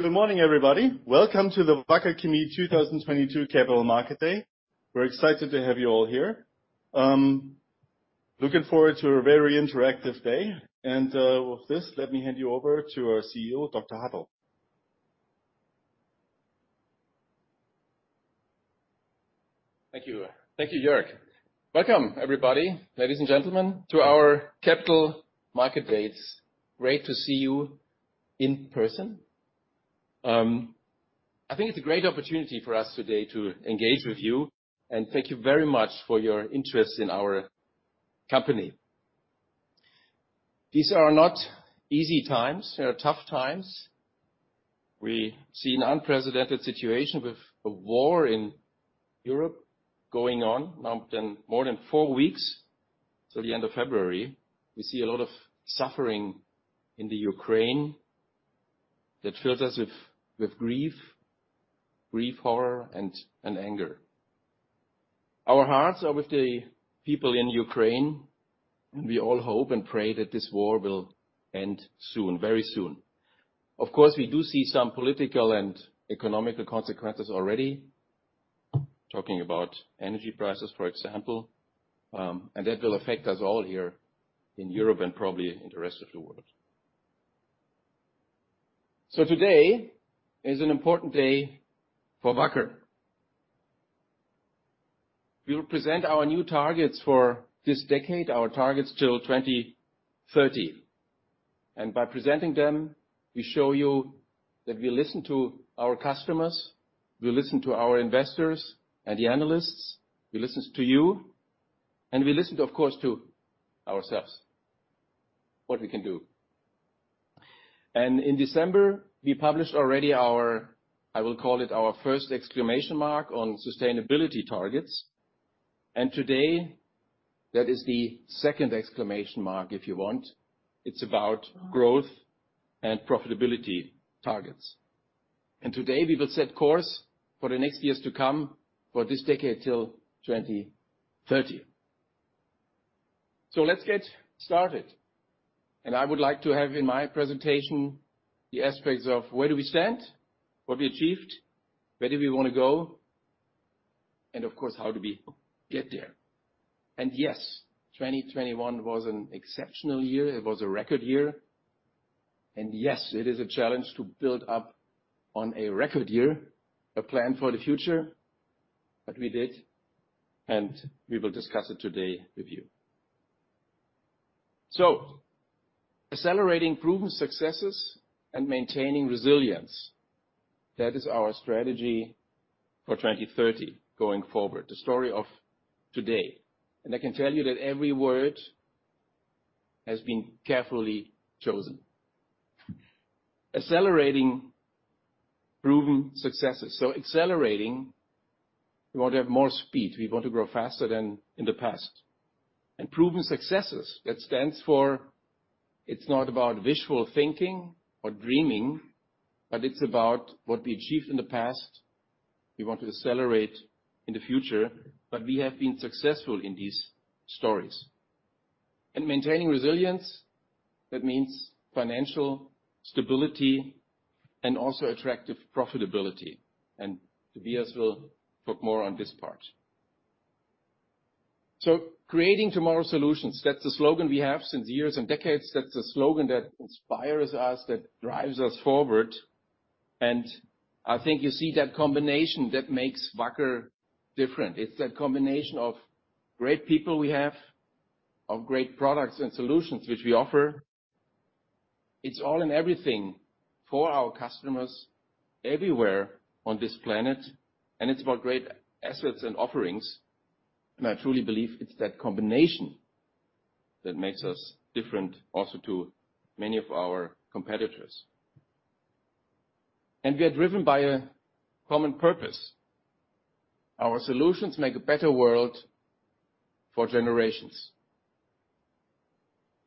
Good morning, everybody. Welcome to the Wacker Chemie 2022 Capital Market Day. We're excited to have you all here. Looking forward to a very interactive day. With this, let me hand you over to our CEO, Dr. Hartel. Thank you, Joerg. Welcome everybody, ladies and gentlemen, to our Capital Market Day. It's great to see you in person. I think it's a great opportunity for us today to engage with you, and thank you very much for your interest in our company. These are not easy times. They are tough times. We see an unprecedented situation with a war in Europe going on now more than four weeks, till the end of February. We see a lot of suffering in the Ukraine. That fills us with grief, horror and anger. Our hearts are with the people in Ukraine, and we all hope and pray that this war will end soon, very soon. Of course, we do see some political and economic consequences already. Talking about energy prices, for example. That will affect us all here in Europe and probably in the rest of the world. Today is an important day for Wacker. We will present our new targets for this decade, our targets till 2030, and by presenting them, we show you that we listen to our customers, we listen to our investors and the analysts. We listen to you, and we listen, of course, to ourselves, what we can do. In December, we published already our, I will call it our first exclamation mark on sustainability targets. Today, that is the second exclamation mark, if you want. It's about growth and profitability targets. Today we will set course for the next years to come for this decade till 2030. Let's get started. I would like to have in my presentation the aspects of where do we stand, what we achieved, where do we want to go, and of course, how do we get there. Yes, 2021 was an exceptional year. It was a record year. Yes, it is a challenge to build up on a record year, a plan for the future. We did, and we will discuss it today with you. Accelerating proven successes and maintaining resilience, that is our strategy for 2030 going forward, the story of today. I can tell you that every word has been carefully chosen. Accelerating proven successes. Accelerating, we want to have more speed. We want to grow faster than in the past. Proven successes, that stands for, it's not about visual thinking or dreaming, but it's about what we achieved in the past. We want to accelerate in the future, but we have been successful in these stories. Maintaining resilience, that means financial stability and also attractive profitability. Tobias will put more on this part. Creating tomorrow's solutions, that's the slogan we have since years and decades. That's the slogan that inspires us, that drives us forward. I think you see that combination that makes Wacker different. It's that combination of great people we have, of great products and solutions which we offer. It's all and everything for our customers everywhere on this planet, and it's about great assets and offerings, and I truly believe it's that combination that makes us different also to many of our competitors. We are driven by a common purpose. Our solutions make a better world for generations.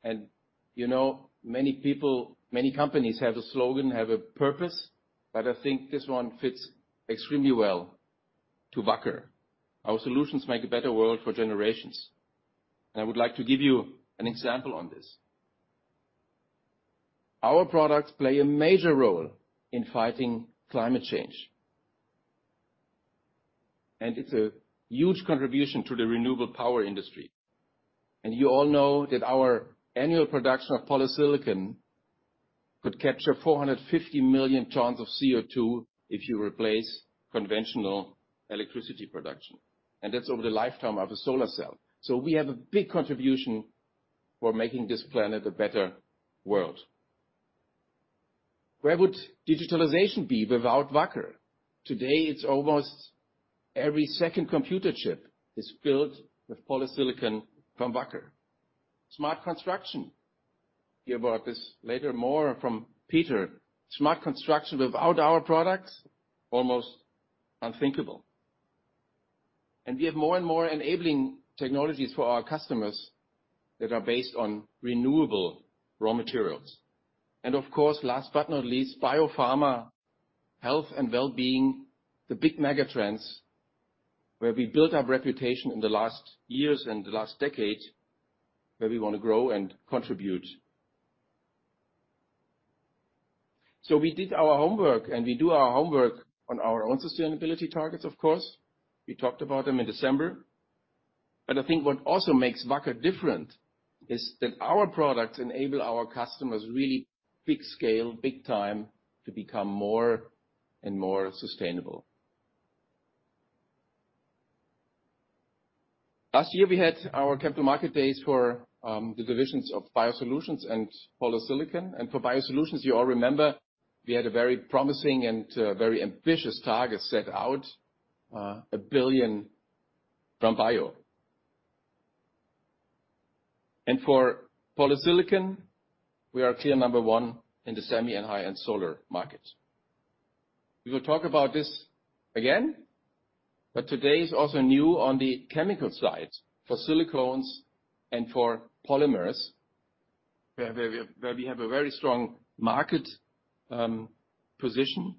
You know, many people, many companies have a slogan, have a purpose, but I think this one fits extremely well to Wacker. Our solutions make a better world for generations, and I would like to give you an example on this. Our products play a major role in fighting climate change. It's a huge contribution to the renewable power industry. You all know that our annual production of polysilicon could capture 450 million tons of CO2 if you replace conventional electricity production, and that's over the lifetime of a solar cell. We have a big contribution for making this planet a better world. Where would digitalization be without Wacker? Today, it's almost every second computer chip is built with polysilicon from Wacker. Smart construction. You'll hear about this later more from Peter. Smart construction without our products? Almost unthinkable. We have more and more enabling technologies for our customers that are based on renewable raw materials. Of course, last but not least, biopharma, health and wellbeing, the big megatrends where we built our reputation in the last years and the last decade, where we want to grow and contribute. We did our homework, and we do our homework on our own sustainability targets, of course. We talked about them in December. I think what also makes Wacker different is that our products enable our customers really big scale, big time, to become more and more sustainable. Last year, we had our Capital Market Days for the divisions of Biosolutions and polysilicon. For Biosolutions, you all remember we had a very promising and very ambitious target set out, a billion from bio. For polysilicon, we are clear number one in the semi and high-end solar market. We will talk about this again, but today is also new on the chemical side for silicones and for polymers, where we have a very strong market position,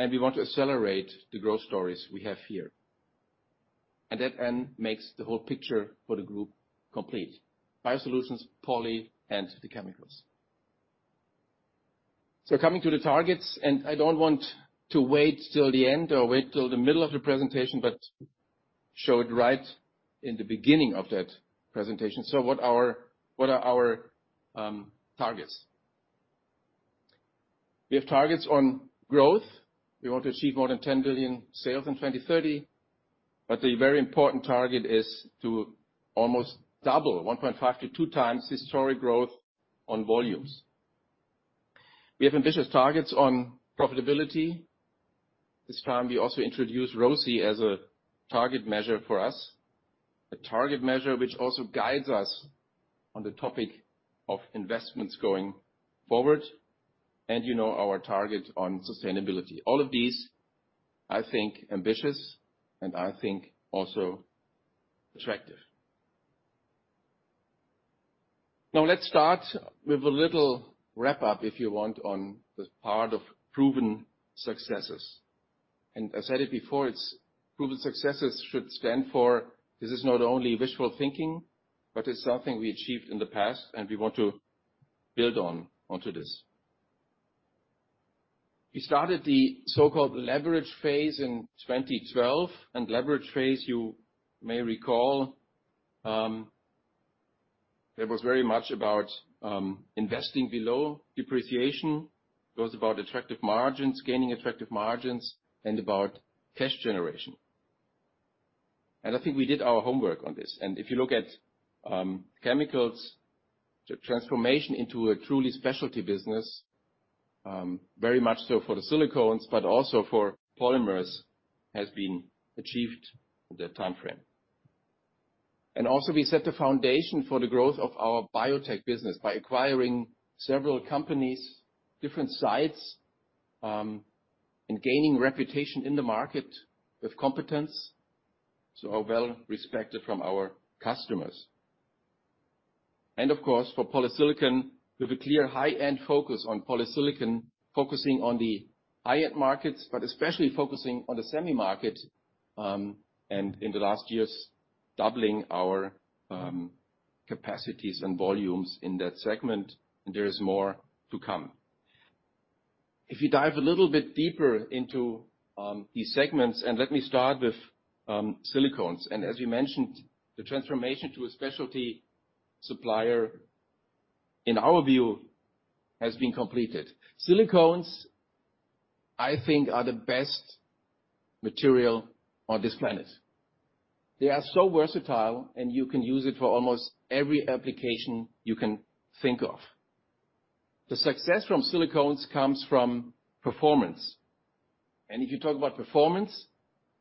and we want to accelerate the growth stories we have here. That makes the whole picture for the group complete. Biosolutions, poly, and the chemicals. Coming to the targets, I don't want to wait till the end or wait till the middle of the presentation, but show it right in the beginning of that presentation. What are our targets? We have targets on growth. We want to achieve more than 10 billion sales in 2030, but the very important target is to almost double, 1.5x-2x historic growth on volumes. We have ambitious targets on profitability. This time we also introduced ROCE as a target measure for us, a target measure which also guides us on the topic of investments going forward. You know our target on sustainability. All of these, I think, ambitious, and I think also attractive. Now, let's start with a little wrap-up, if you want, on the part of proven successes. I said it before, proven successes should stand for, this is not only visual thinking, but it's something we achieved in the past, and we want to build on onto this. We started the so-called leverage phase in 2012. Leverage phase, you may recall, it was very much about investing below depreciation. It was about attractive margins, gaining attractive margins, and about cash generation. I think we did our homework on this. If you look at chemicals, the transformation into a truly specialty business, very much so for the silicones but also for polymers, has been achieved in that timeframe. Also, we set the foundation for the growth of our biotech business by acquiring several companies, different sites, and gaining reputation in the market with competence, so we are well respected by our customers. Of course, for polysilicon, with a clear high-end focus on polysilicon, focusing on the high-end markets, but especially focusing on the semi market, and in the last years, doubling our capacities and volumes in that segment. There is more to come. If you dive a little bit deeper into these segments, and let me start with silicones. As we mentioned, the transformation to a specialty supplier, in our view, has been completed. Silicones, I think, are the best material on this planet. They are so versatile, and you can use it for almost every application you can think of. The success from silicones comes from performance. If you talk about performance,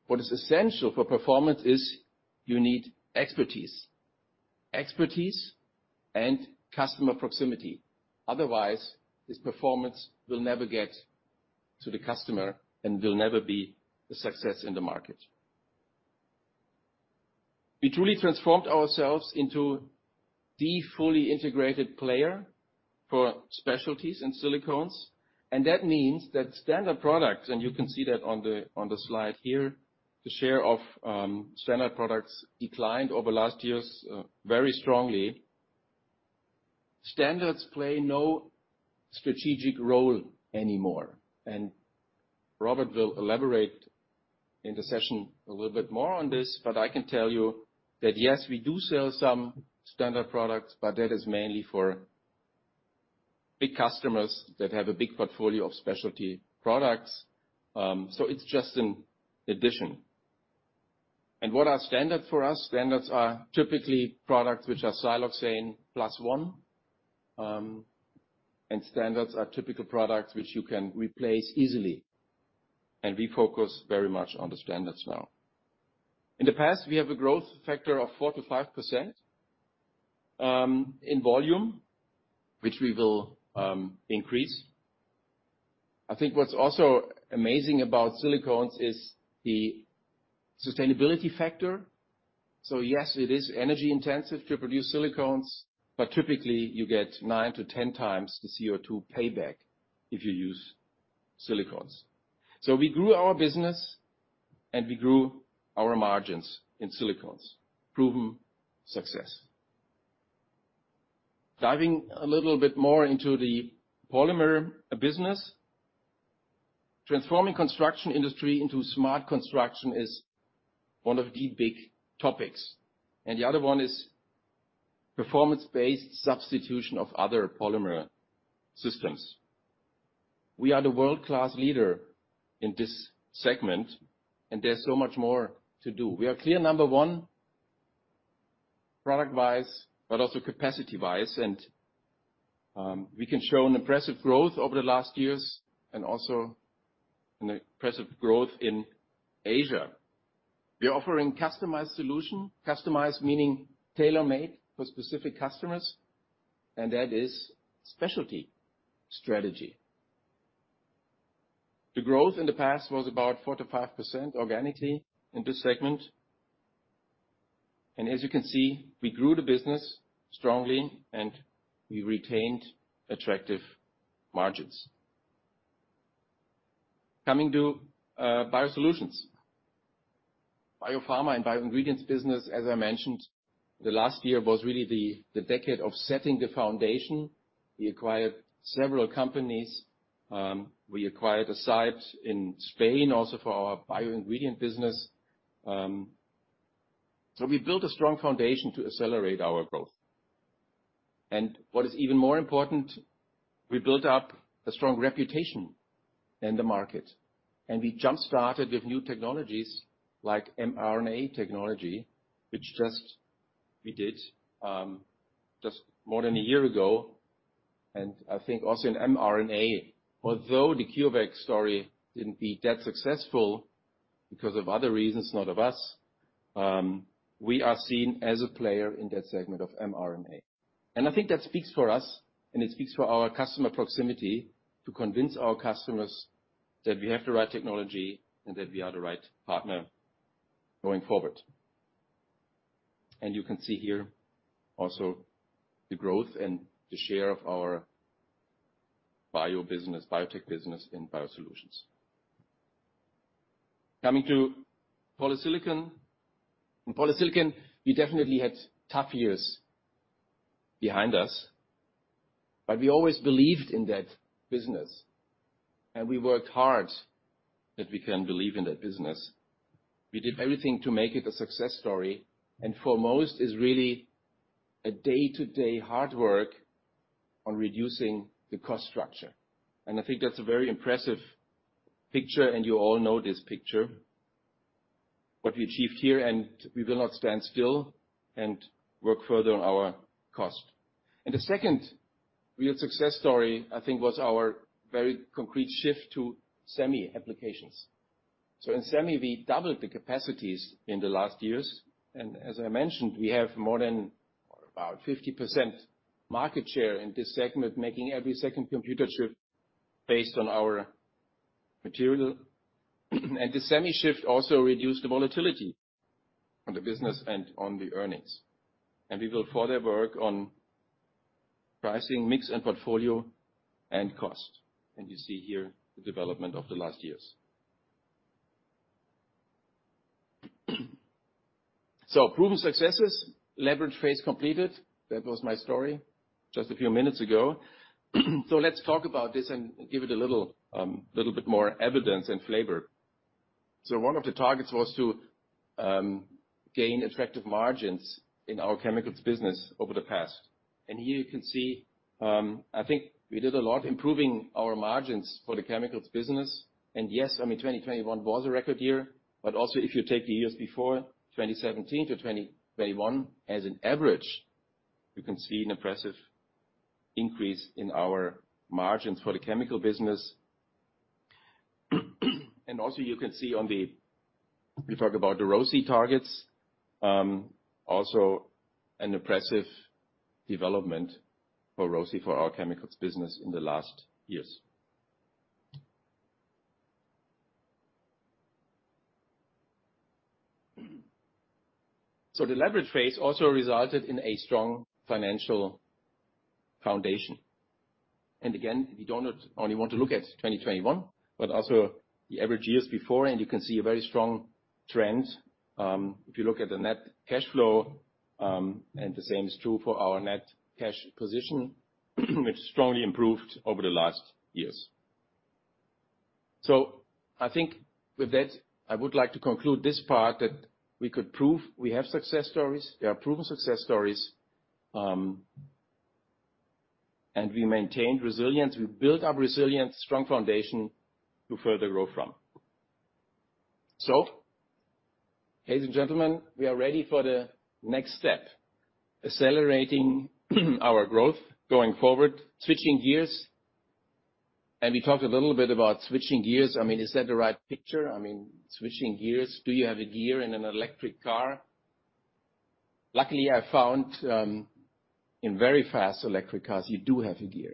what is essential for performance is you need expertise. Expertise and customer proximity. Otherwise, this performance will never get to the customer and will never be a success in the market. We truly transformed ourselves into the fully integrated player for specialties and silicones. That means that standard products, and you can see that on the slide here, the share of standard products declined over last years very strongly. Standards play no strategic role anymore. Robert will elaborate in the session a little bit more on this, but I can tell you that, yes, we do sell some standard products, but that is mainly for big customers that have a big portfolio of specialty products. It's just an addition. What are standard for us? Standards are typically products which are siloxane plus one, and standards are typical products which you can replace easily. We focus very much on the standards now. In the past, we have a growth factor of 4%-5% in volume, which we will increase. I think what's also amazing about silicones is the sustainability factor. Yes, it is energy intensive to produce silicones, but typically you get 9-10 times the CO2 payback if you use silicones. We grew our business and we grew our margins in silicones. Proven success. Diving a little bit more into the polymer business. Transforming construction industry into smart construction is one of the big topics. The other one is performance-based substitution of other polymer systems. We are the world-class leader in this segment, and there's so much more to do. We are clear number one product-wise, but also capacity-wise. We can show an impressive growth over the last years and also an impressive growth in Asia. We are offering customized solution, customized meaning tailor-made for specific customers, and that is specialty strategy. The growth in the past was about 4%-5% organically in this segment. As you can see, we grew the business strongly and we retained attractive margins. Coming to Biosolutions. Biopharma and bio-ingredients business, as I mentioned, the last year was really the decade of setting the foundation. We acquired several companies. We acquired a site in Spain also for our bio-ingredient business. We built a strong foundation to accelerate our growth. What is even more important, we built up a strong reputation in the market. We jump-started with new technologies like mRNA technology, which we did just more than a year ago. I think also in mRNA, although the CureVac story didn't be that successful because of other reasons, not of us, we are seen as a player in that segment of mRNA. I think that speaks for us and it speaks for our customer proximity to convince our customers that we have the right technology and that we are the right partner going forward. You can see here also the growth and the share of our biotech business in Biosolutions. Coming to polysilicon. In polysilicon, we definitely had tough years behind us, but we always believed in that business, and we worked hard that we can believe in that business. We did everything to make it a success story, and foremost is really a day-to-day hard work on reducing the cost structure. I think that's a very impressive picture, and you all know this picture, what we achieved here, and we will not stand still and work further on our cost. The second real success story, I think, was our very concrete shift to semi applications. In semi, we doubled the capacities in the last years. As I mentioned, we have more than about 50% market share in this segment, making every second computer chip based on our material. The semi shift also reduced the volatility on the business and on the earnings. We will further work on pricing, mix, and portfolio and cost. You see here the development of the last years. Proven successes, leverage phase completed. That was my story just a few minutes ago. Let's talk about this and give it a little bit more evidence and flavor. One of the targets was to gain attractive margins in our chemicals business over the past. Here you can see, I think we did a lot improving our margins for the chemicals business. Yes, 2021 was a record year. Also if you take the years before, 2017 to 2021, as an average, you can see an impressive increase in our margins for the chemicals business. Also you can see, we talk about the ROCE targets, also an impressive development for ROCE for our chemicals business in the last years. The leverage phase also resulted in a strong financial foundation. Again, we don't only want to look at 2021, but also the average years before. You can see a very strong trend if you look at the net cash flow. The same is true for our net cash position, which strongly improved over the last years. I think with that, I would like to conclude this part that we could prove we have success stories, there are proven success stories, and we maintained resilience. We built up resilience, strong foundation to further grow from. Ladies and gentlemen, we are ready for the next step, accelerating our growth going forward, switching gears. We talked a little bit about switching gears. Is that the right picture? Switching gears. Do you have a gear in an electric car? Luckily, I found in very fast electric cars, you do have a gear.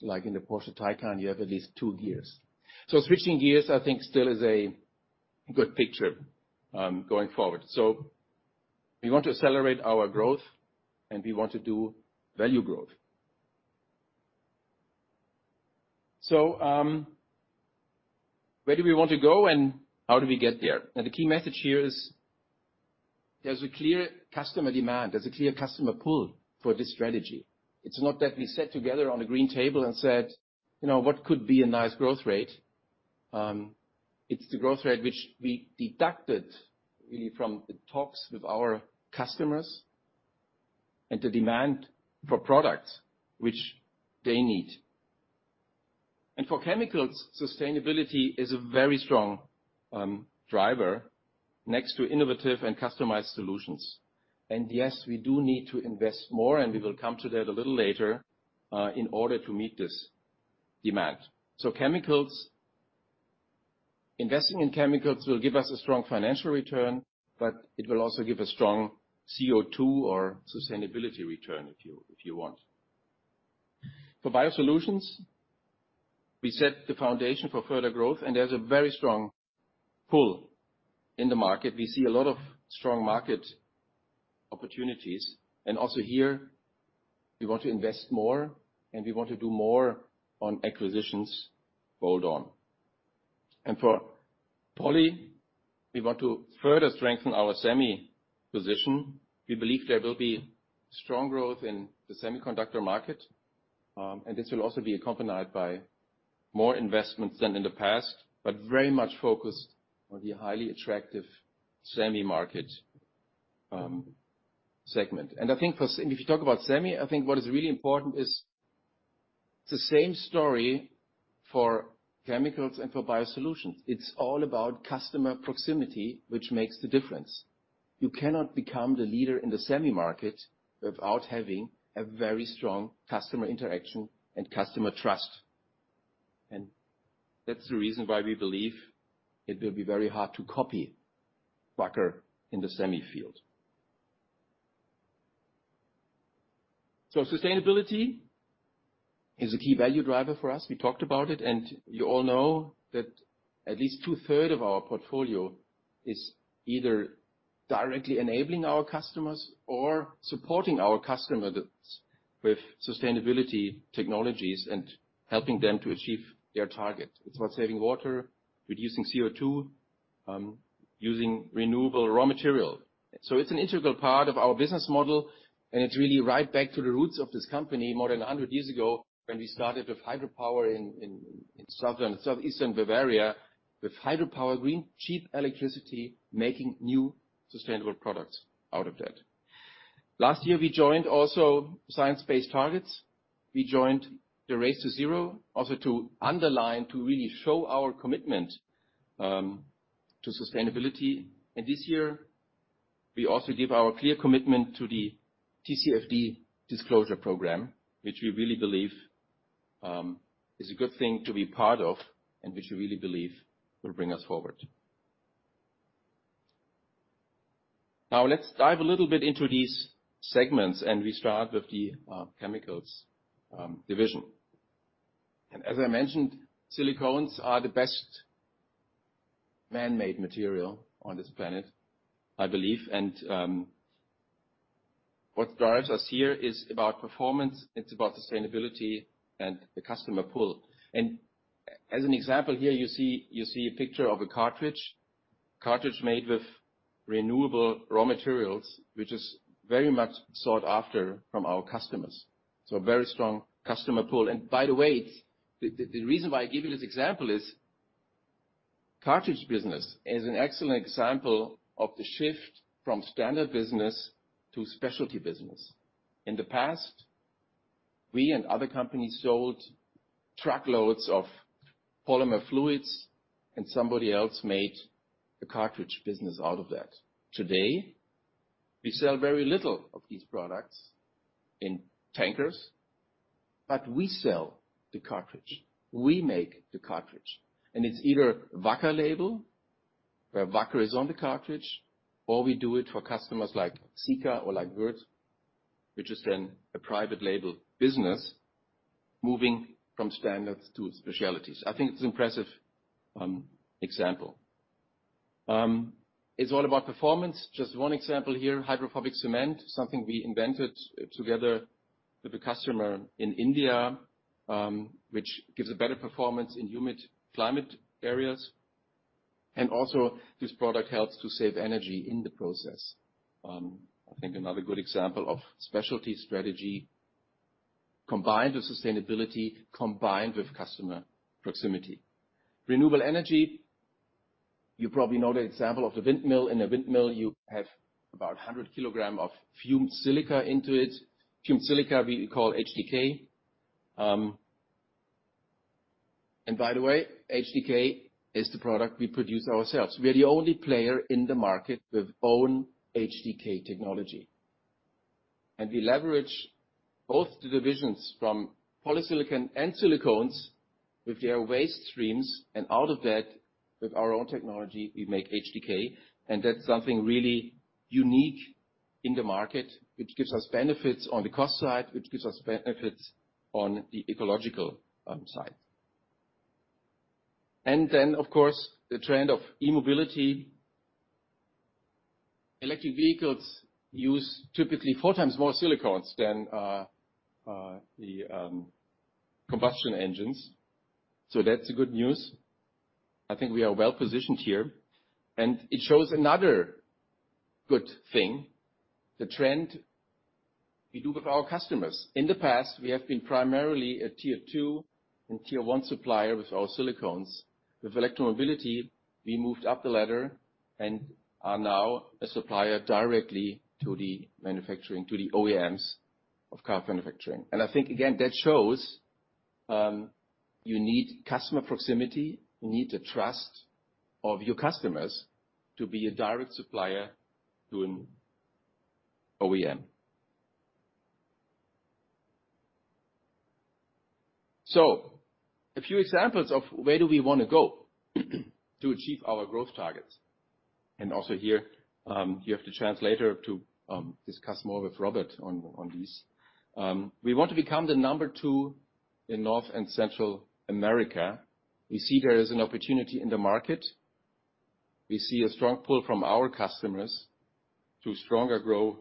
Like in the Porsche Taycan, you have at least two gears. Switching gears, I think still is a good picture going forward. We want to accelerate our growth, and we want to do value growth. Where do we want to go, and how do we get there? Now, the key message here is there's a clear customer demand. There's a clear customer pull for this strategy. It's not that we sat together on a green table and said, "What could be a nice growth rate?" It's the growth rate which we deduced, really from the talks with our customers and the demand for products which they need. For chemicals, sustainability is a very strong driver next to innovative and customized solutions. Yes, we do need to invest more, and we will come to that a little later, in order to meet this demand. Chemicals, investing in chemicals will give us a strong financial return, but it will also give a strong CO2 or sustainability return, if you want. For Biosolutions, we set the foundation for further growth, and there's a very strong pull in the market. We see a lot of strong market opportunities. Also here, we want to invest more, and we want to do more on acquisitions going on. For Poly, we want to further strengthen our semi position. We believe there will be strong growth in the semiconductor market, and this will also be accompanied by more investments than in the past, but very much focused on the highly attractive semi market segment. I think if you talk about semi, I think what is really important is the same story for chemicals and for Biosolutions. It's all about customer proximity, which makes the difference. You cannot become the leader in the semi market without having a very strong customer interaction and customer trust. That's the reason why we believe it will be very hard to copy Wacker in the semi field. Sustainability is a key value driver for us. We talked about it, and you all know that at least two-thirds of our portfolio is either directly enabling our customers or supporting our customers with sustainability technologies and helping them to achieve their target. It's about saving water, reducing CO2, using renewable raw material. It's an integral part of our business model, and it's really right back to the roots of this company more than 100 years ago, when we started with hydropower in southeastern Bavaria, with hydropower, green, cheap electricity, making new sustainable products out of that. Last year, we joined also Science Based Targets. We joined the Race to Zero, also to underline, to really show our commitment to sustainability. This year, we also give our clear commitment to the TCFD disclosure program, which we really believe is a good thing to be part of and which we really believe will bring us forward. Now, let's dive a little bit into these segments, and we start with the chemicals division. As I mentioned, silicones are the best man-made material on this planet, I believe. What drives us here is about performance, it's about sustainability and the customer pull. As an example here, you see a picture of a cartridge. Cartridge made with renewable raw materials, which is very much sought after from our customers. A very strong customer pull. By the way, the reason why I give you this example is cartridge business is an excellent example of the shift from standard business to specialty business. In the past, we and other companies sold truckloads of polymer fluids, and somebody else made the cartridge business out of that. Today, we sell very little of these products in tankers. We sell the cartridge. We make the cartridge. It's either Wacker label, where Wacker is on the cartridge, or we do it for customers like Sika or like Würth, which is then a private label business moving from standards to specialties. I think it's impressive example. It's all about performance. Just one example here, hydrophobic cement. Something we invented together with the customer in India, which gives a better performance in humid climate areas. This product helps to save energy in the process. I think another good example of specialty strategy combined with sustainability, combined with customer proximity. Renewable energy. You probably know the example of the windmill. In a windmill, you have about 100 kg of fumed silica in it. Fumed silica we call HDK. By the way, HDK is the product we produce ourselves. We are the only player in the market with own HDK technology. We leverage both the divisions from polysilicon and silicones with their waste streams. Out of that, with our own technology, we make HDK. That's something really unique in the market, which gives us benefits on the cost side, which gives us benefits on the ecological side. Then, of course, the trend of e-mobility. Electric vehicles use typically four times more silicones than the combustion engines. That's the good news. I think we are well-positioned here. It shows another good thing, the trend we do with our customers. In the past, we have been primarily a Tier 2 and Tier 1 supplier with our silicones. With electromobility, we moved up the ladder and are now a supplier directly to the manufacturing, to the OEMs of car manufacturing. I think, again, that shows you need customer proximity. You need the trust of your customers to be a direct supplier to an OEM. A few examples of where do we want to go to achieve our growth targets. Also here, you have the chance later to discuss more with Robert on these. We want to become the number two in North and Central America. We see there is an opportunity in the market. We see a strong pull from our customers to stronger growth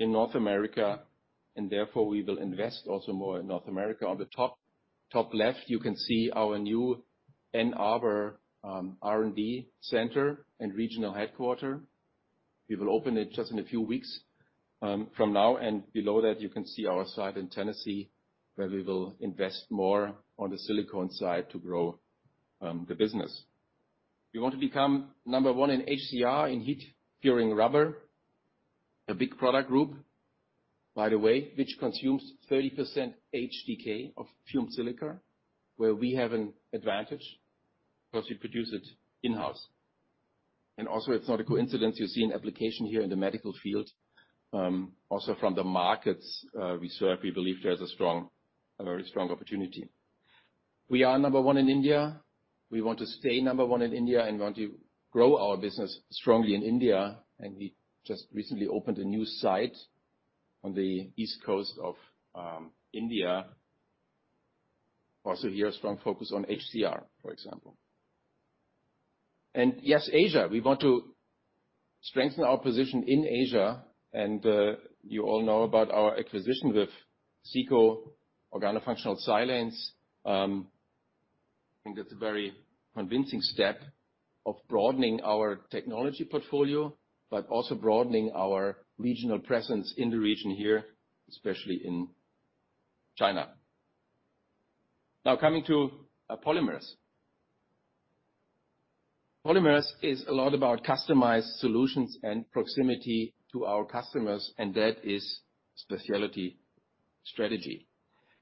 in North America, and therefore we will invest also more in North America. On the top left, you can see our new Ann Arbor R&D center and regional headquarters. We will open it just in a few weeks from now. Below that, you can see our site in Tennessee, where we will invest more on the silicone side to grow the business. We want to become number one in HCR, in heat curing rubber. A big product group, by the way, which consumes 30% HDK of fumed silica, where we have an advantage because we produce it in-house. Also, it's not a coincidence, you see an application here in the medical field. Also from the markets we serve, we believe there's a very strong opportunity. We are number one in India. We want to stay number one in India and want to grow our business strongly in India. We just recently opened a new site on the east coast of India. Also here, a strong focus on HCR, for example. Yes, Asia, we want to strengthen our position in Asia. You all know about our acquisition with SICO, Organofunctional Silanes. I think that's a very convincing step of broadening our technology portfolio, but also broadening our regional presence in the region here, especially in China. Now coming to polymers. Polymers is a lot about customized solutions and proximity to our customers, and that is specialty strategy.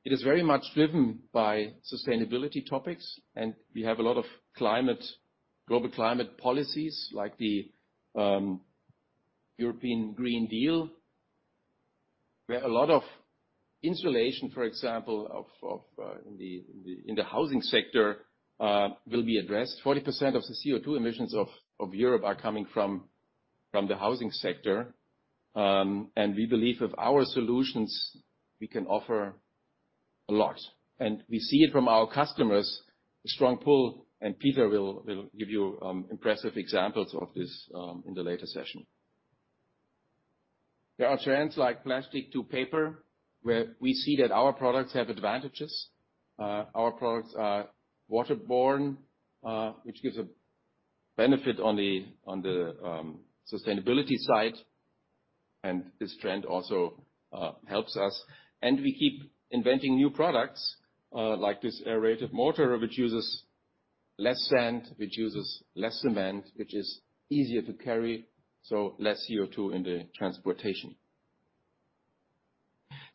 It is very much driven by sustainability topics, and we have a lot of global climate policies, like the European Green Deal, where a lot of insulation, for example, in the housing sector, will be addressed. 40% of the CO2 emissions of Europe are coming from the housing sector. We believe with our solutions, we can offer a lot. We see it from our customers, a strong pull, and Peter will give you impressive examples of this in the later session. There are trends like plastic to paper, where we see that our products have advantages. Our products are water-borne, which gives a benefit on the sustainability side, and this trend also helps us. We keep inventing new products, like this aerated mortar, which uses less sand, which uses less cement, which is easier to carry, so less CO2 in the transportation.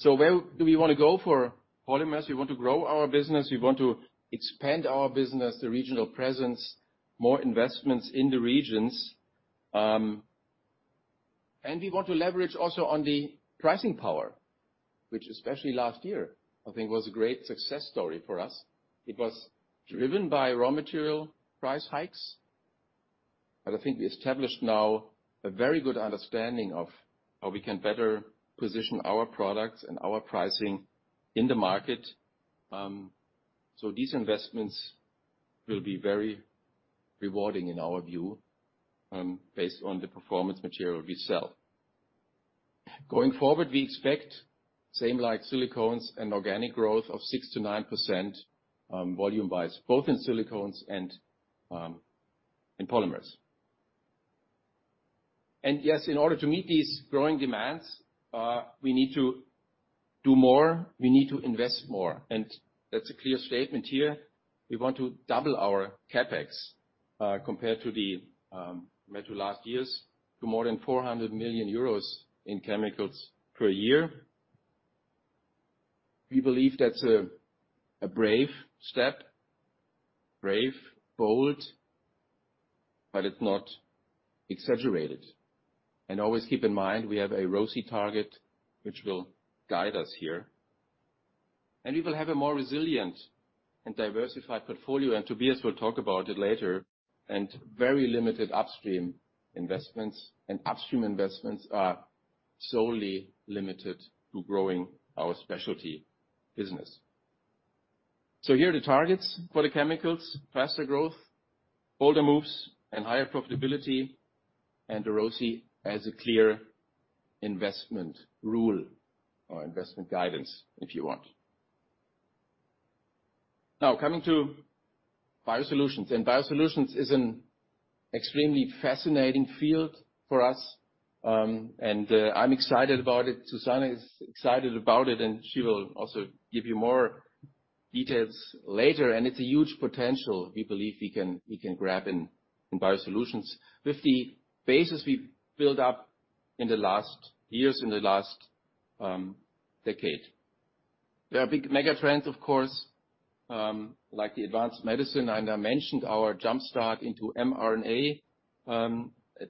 Where do we want to go for polymers? We want to grow our business. We want to expand our business, the regional presence, more investments in the regions. We want to leverage also on the pricing power, which especially last year, I think was a great success story for us. It was driven by raw material price hikes. I think we established now a very good understanding of how we can better position our products and our pricing in the market. These investments will be very rewarding in our view, based on the performance material we sell. Going forward, we expect, same like silicones, an organic growth of 6%-9% volume-wise, both in silicones and in polymers. Yes, in order to meet these growing demands, we need to do more. We need to invest more. That's a clear statement here. We want to double our CapEx compared to last year's, to more than 400 million euros in chemicals per year. We believe that's a brave step. Brave, bold, but it's not exaggerated. Always keep in mind, we have a ROCE target which will guide us here. We will have a more resilient and diversified portfolio, and Tobias will talk about it later, and very limited upstream investments. Upstream investments are solely limited to growing our specialty business. Here are the targets for the Chemicals, faster growth, bolder moves, and higher profitability, and the ROCE as a clear investment rule or investment guidance, if you want. Now, coming to Biosolutions. Biosolutions is an extremely fascinating field for us, and I'm excited about it. Susanne is excited about it, and she will also give you more details later. It's a huge potential we believe we can grab in Biosolutions with the basis we've built up in the last years, in the last decade. There are big mega trends, of course, like the advanced medicine, and I mentioned our jumpstart into mRNA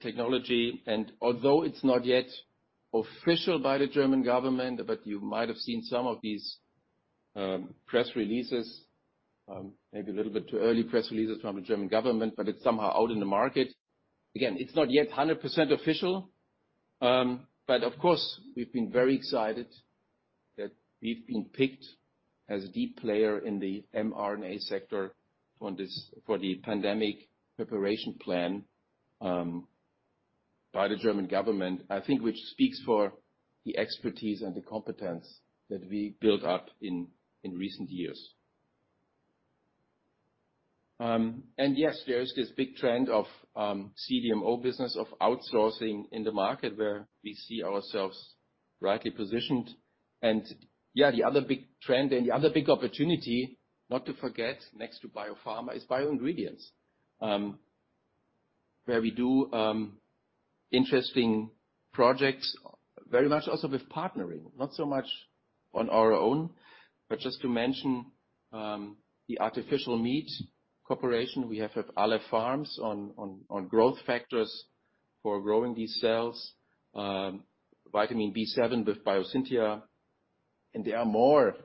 technology. Although it's not yet official by the German government, but you might have seen some of these press releases, maybe a little bit too early press releases from the German government, but it's somehow out in the market. Again, it's not yet 100% official. Of course, we've been very excited that we've been picked as a deep player in the mRNA sector for the pandemic preparation plan, by the German government. I think which speaks for the expertise and the competence that we built up in recent years. Yes, there is this big trend of CDMO business of outsourcing in the market where we see ourselves rightly positioned. Yeah, the other big trend and the other big opportunity, not to forget, next to biopharma is bioingredients, where we do interesting projects very much also with partnering. Not so much on our own. Just to mention the artificial meat cooperation we have with Aleph Farms on growth factors for growing these cells. Vitamin B7 with Biosyntia. There are more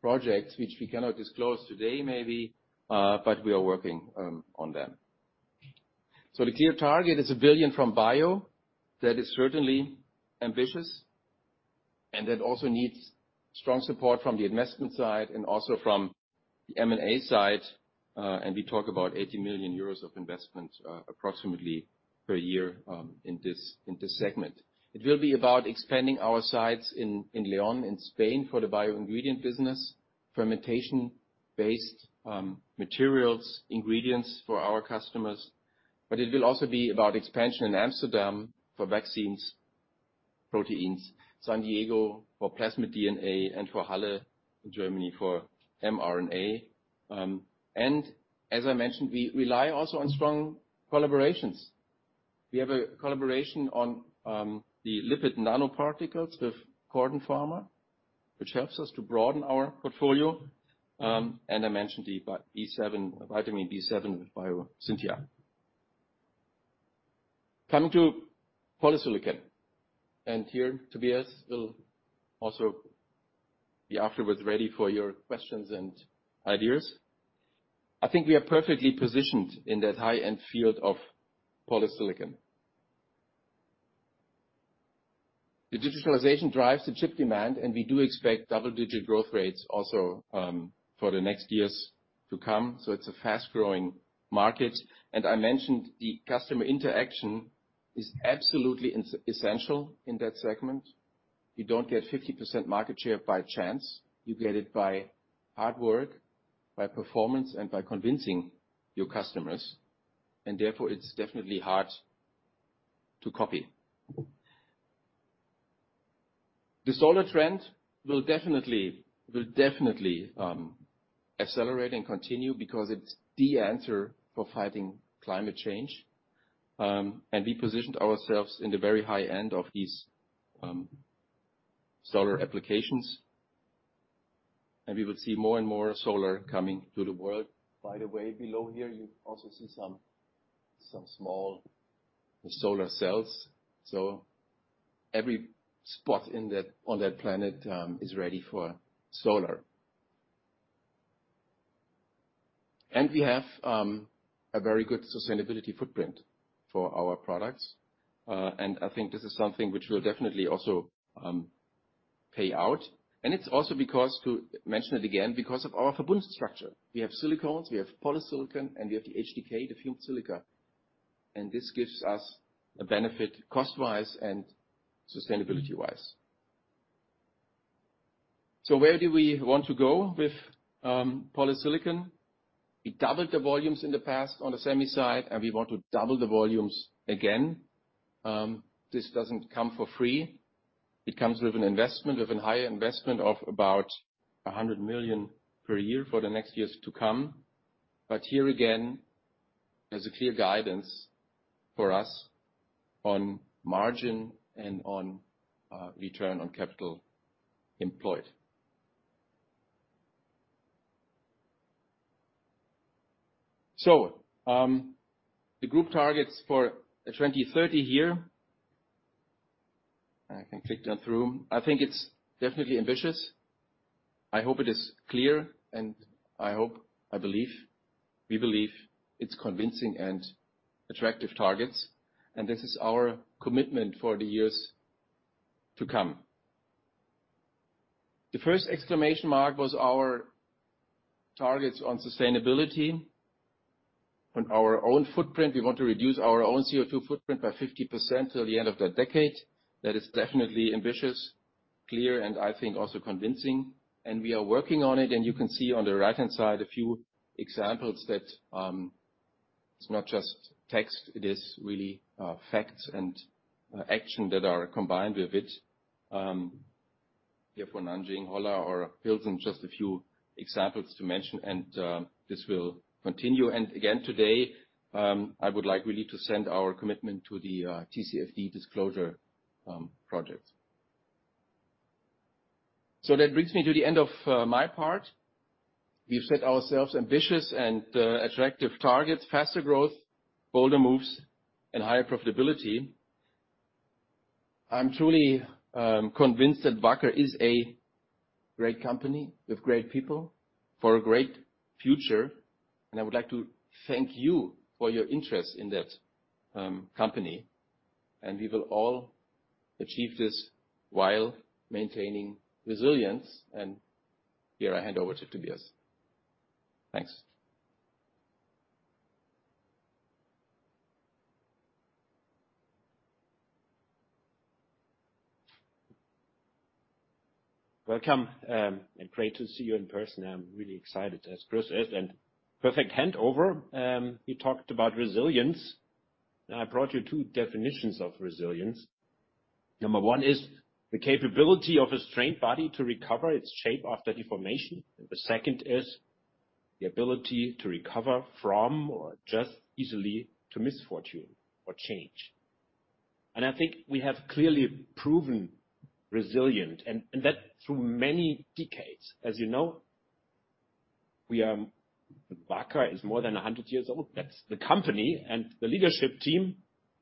projects which we cannot disclose today maybe, but we are working on them. The clear target is a billion from bio. That is certainly ambitious, and that also needs strong support from the investment side and also from the M&A side. We talk about 80 million euros of investment, approximately, per year in this segment. It will be about expanding our sites in León in Spain for the bioingredient business. Fermentation-based materials, ingredients for our customers. It will also be about expansion in Amsterdam for vaccines, proteins, San Diego for plasmid DNA, and Halle in Germany for mRNA. As I mentioned, we rely also on strong collaborations. We have a collaboration on the lipid nanoparticles with CordenPharma, which helps us to broaden our portfolio. I mentioned the vitamin B7 with Biosyntia. Coming to polysilicon. Here, Tobias will also be afterward ready for your questions and ideas. I think we are perfectly positioned in that high-end field of polysilicon. The digitalization drives the chip demand, and we do expect double-digit growth rates also for the next years to come, so it's a fast-growing market. I mentioned the customer interaction is absolutely essential in that segment. You don't get 50% market share by chance. You get it by hard work, by performance, and by convincing your customers. Therefore, it's definitely hard to copy. The solar trend will definitely accelerate and continue because it's the answer for fighting climate change. We positioned ourselves in the very high end of these solar applications. We will see more and more solar coming to the world. By the way, below here you also see some small solar cells. Every spot on that planet is ready for solar. We have a very good sustainability footprint for our products. I think this is something which will definitely also pay out. It's also because, to mention it again, because of our VERBUND structure. We have silicones, we have polysilicon, and we have the HDK, the fumed silica. This gives us a benefit cost-wise and sustainability-wise. Where do we want to go with polysilicon? We doubled the volumes in the past on the semi side, and we want to double the volumes again. This doesn't come for free. It comes with an investment, with a higher investment of about 100 million per year for the next years to come. Here again, as a clear guidance for us on margin and on return on capital employed. The group targets for 2030 here. I can click that through. I think it's definitely ambitious. I hope it is clear, and I hope, I believe, we believe it's convincing and attractive targets. This is our commitment for the years to come. The first exclamation mark was our targets on sustainability. On our own footprint, we want to reduce our own CO2 footprint by 50% till the end of the decade. That is definitely ambitious, clear, and I think also convincing. We are working on it, and you can see on the right-hand side a few examples that it's not just text, it is really facts and action that are combined with it. Therefore, Nanjing, Holla or Hilton, just a few examples to mention and this will continue. Again, today, I would like really to send our commitment to the TCFD disclosure project. That brings me to the end of my part. We've set ourselves ambitious and attractive targets, faster growth, bolder moves, and higher profitability. I'm truly convinced that Wacker is a great company with great people for a great future. I would like to thank you for your interest in that company. We will all achieve this while maintaining resilience. Here I hand over to Tobias. Thanks. Welcome, great to see you in person. I'm really excited as Chris is, and perfect handover. He talked about resilience, and I brought you two definitions of resilience. Number one is the capability of a strained body to recover its shape after deformation. The second is the ability to recover from or adjust easily to misfortune or change. I think we have clearly proven resilient and that through many decades. As you know, Wacker is more than 100 years old. That's the company and the leadership team,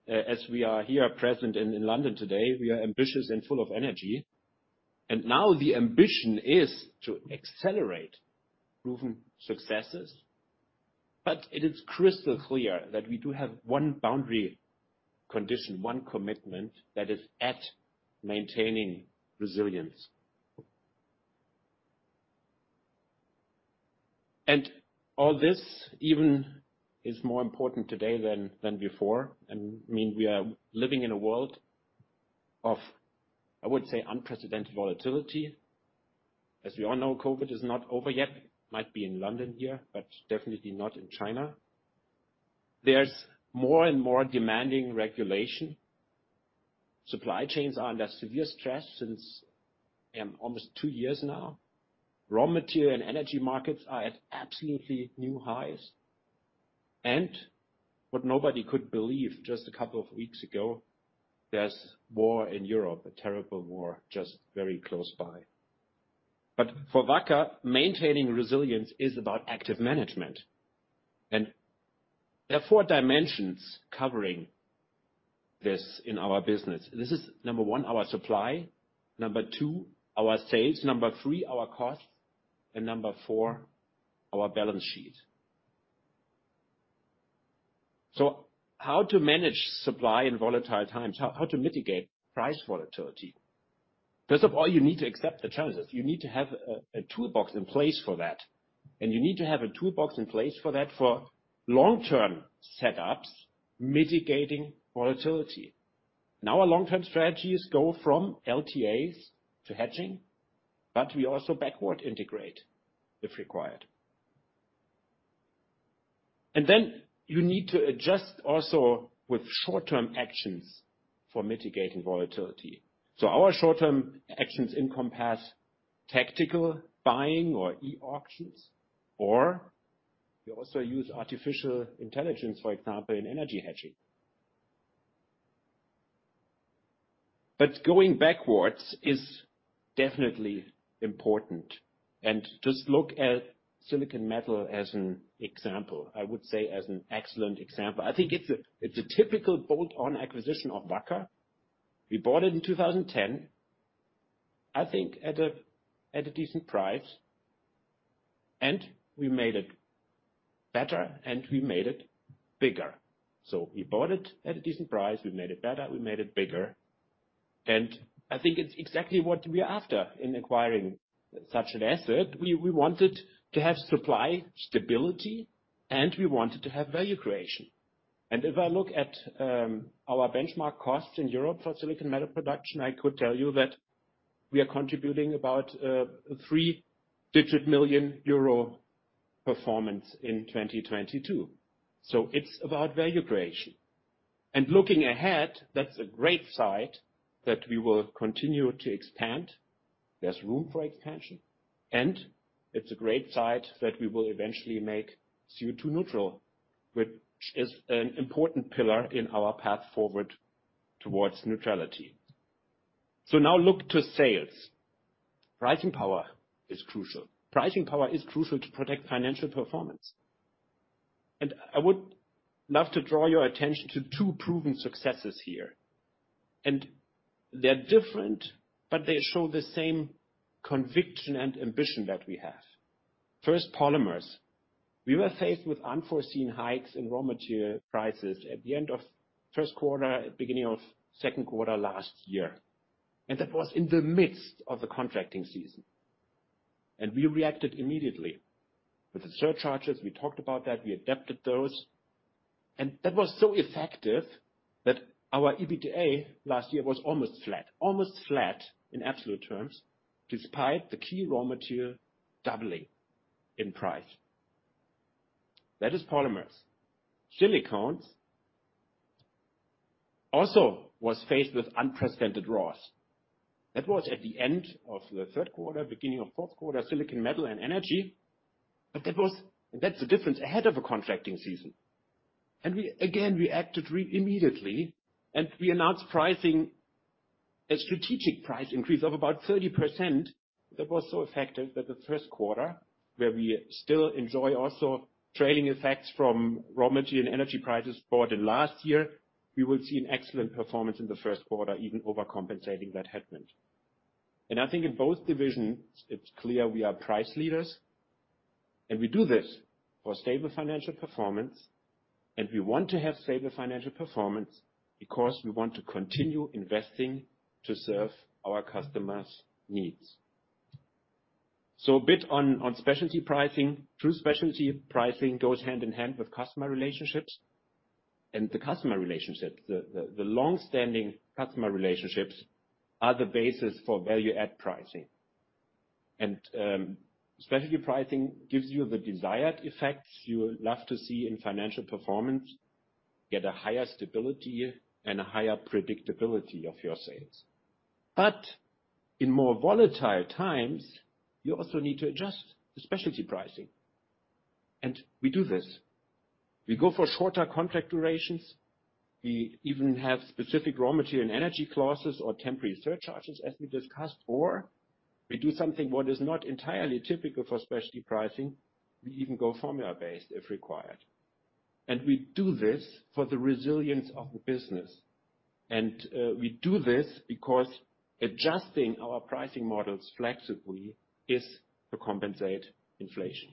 as we are present here in London today, we are ambitious and full of energy. Now the ambition is to accelerate proven successes. It is crystal clear that we do have one boundary condition, one commitment that is at maintaining resilience. All this is even more important today than before. We are living in a world of, I would say, unprecedented volatility. As we all know, COVID is not over yet. Might be in London here, but definitely not in China. There's more and more demanding regulation. Supply chains are under severe stress since almost two years now. Raw material and energy markets are at absolutely new highs. What nobody could believe just a couple of weeks ago, there's war in Europe, a terrible war, just very close by. For Wacker, maintaining resilience is about active management. There are four dimensions covering this in our business. This is, number one, our supply. Number two, our sales. Number three, our costs. And number four, our balance sheet. How to manage supply in volatile times, how to mitigate price volatility. First of all, you need to accept the terms. You need to have a toolbox in place for that. You need to have a toolbox in place for that for long-term setups, mitigating volatility. Now our long-term strategies go from LTAs to hedging, but we also backward integrate if required. You need to adjust also with short-term actions for mitigating volatility. Our short-term actions encompass tactical buying or e-auctions, or we also use artificial intelligence, for example, in energy hedging. Going backwards is definitely important. Just look at Silicon Metal as an example. I would say as an excellent example. I think it's a typical bolt-on acquisition of Wacker. We bought it in 2010. I think at a decent price. We made it better, and we made it bigger. We bought it at a decent price. We made it better. We made it bigger. I think it's exactly what we're after in acquiring such an asset. We wanted to have supply stability, and we wanted to have value creation. If I look at our benchmark costs in Europe for Silicon Metal production, I could tell you that we are contributing about a three-digit million EUR performance in 2022. It's about value creation. Looking ahead, that's a great site that we will continue to expand. There's room for expansion, and it's a great site that we will eventually make CO2 neutral, which is an important pillar in our path forward towards neutrality. Now look to sales. Pricing power is crucial. Pricing power is crucial to protect financial performance. I would love to draw your attention to two proven successes here. They're different, but they show the same conviction and ambition that we have. First, polymers. We were faced with unforeseen hikes in raw material prices at the end of first quarter, at beginning of second quarter last year, and that was in the midst of the contracting season. We reacted immediately with the surcharges. We talked about that, we adapted those, and that was so effective that our EBITDA last year was almost flat. Almost flat in absolute terms, despite the key raw material doubling in price. That is polymers. Silicones also was faced with unprecedented raws. That was at the end of the third quarter, beginning of fourth quarter, Silicon Metal, and energy. That's the difference ahead of a contracting season. We, again, reacted immediately, and we announced a strategic price increase of about 30%. That was so effective that the first quarter, where we still enjoy also trading effects from raw material and energy prices bought in last year, we will see an excellent performance in the first quarter, even overcompensating that headwind. I think in both divisions, it's clear we are price leaders and we do this for stable financial performance, and we want to have stable financial performance because we want to continue investing to serve our customers' needs. A bit on specialty pricing. True specialty pricing goes hand in hand with customer relationships and the customer relationship, the longstanding customer relationships, are the basis for value add pricing. Specialty pricing gives you the desired effects you would love to see in financial performance, get a higher stability and a higher predictability of your sales. In more volatile times, you also need to adjust the specialty pricing. We do this. We go for shorter contract durations. We even have specific raw material and energy clauses or temporary surcharges as we discussed. We do something what is not entirely typical for specialty pricing, we even go formula-based if required. We do this for the resilience of the business. We do this because adjusting our pricing models flexibly is to compensate inflation.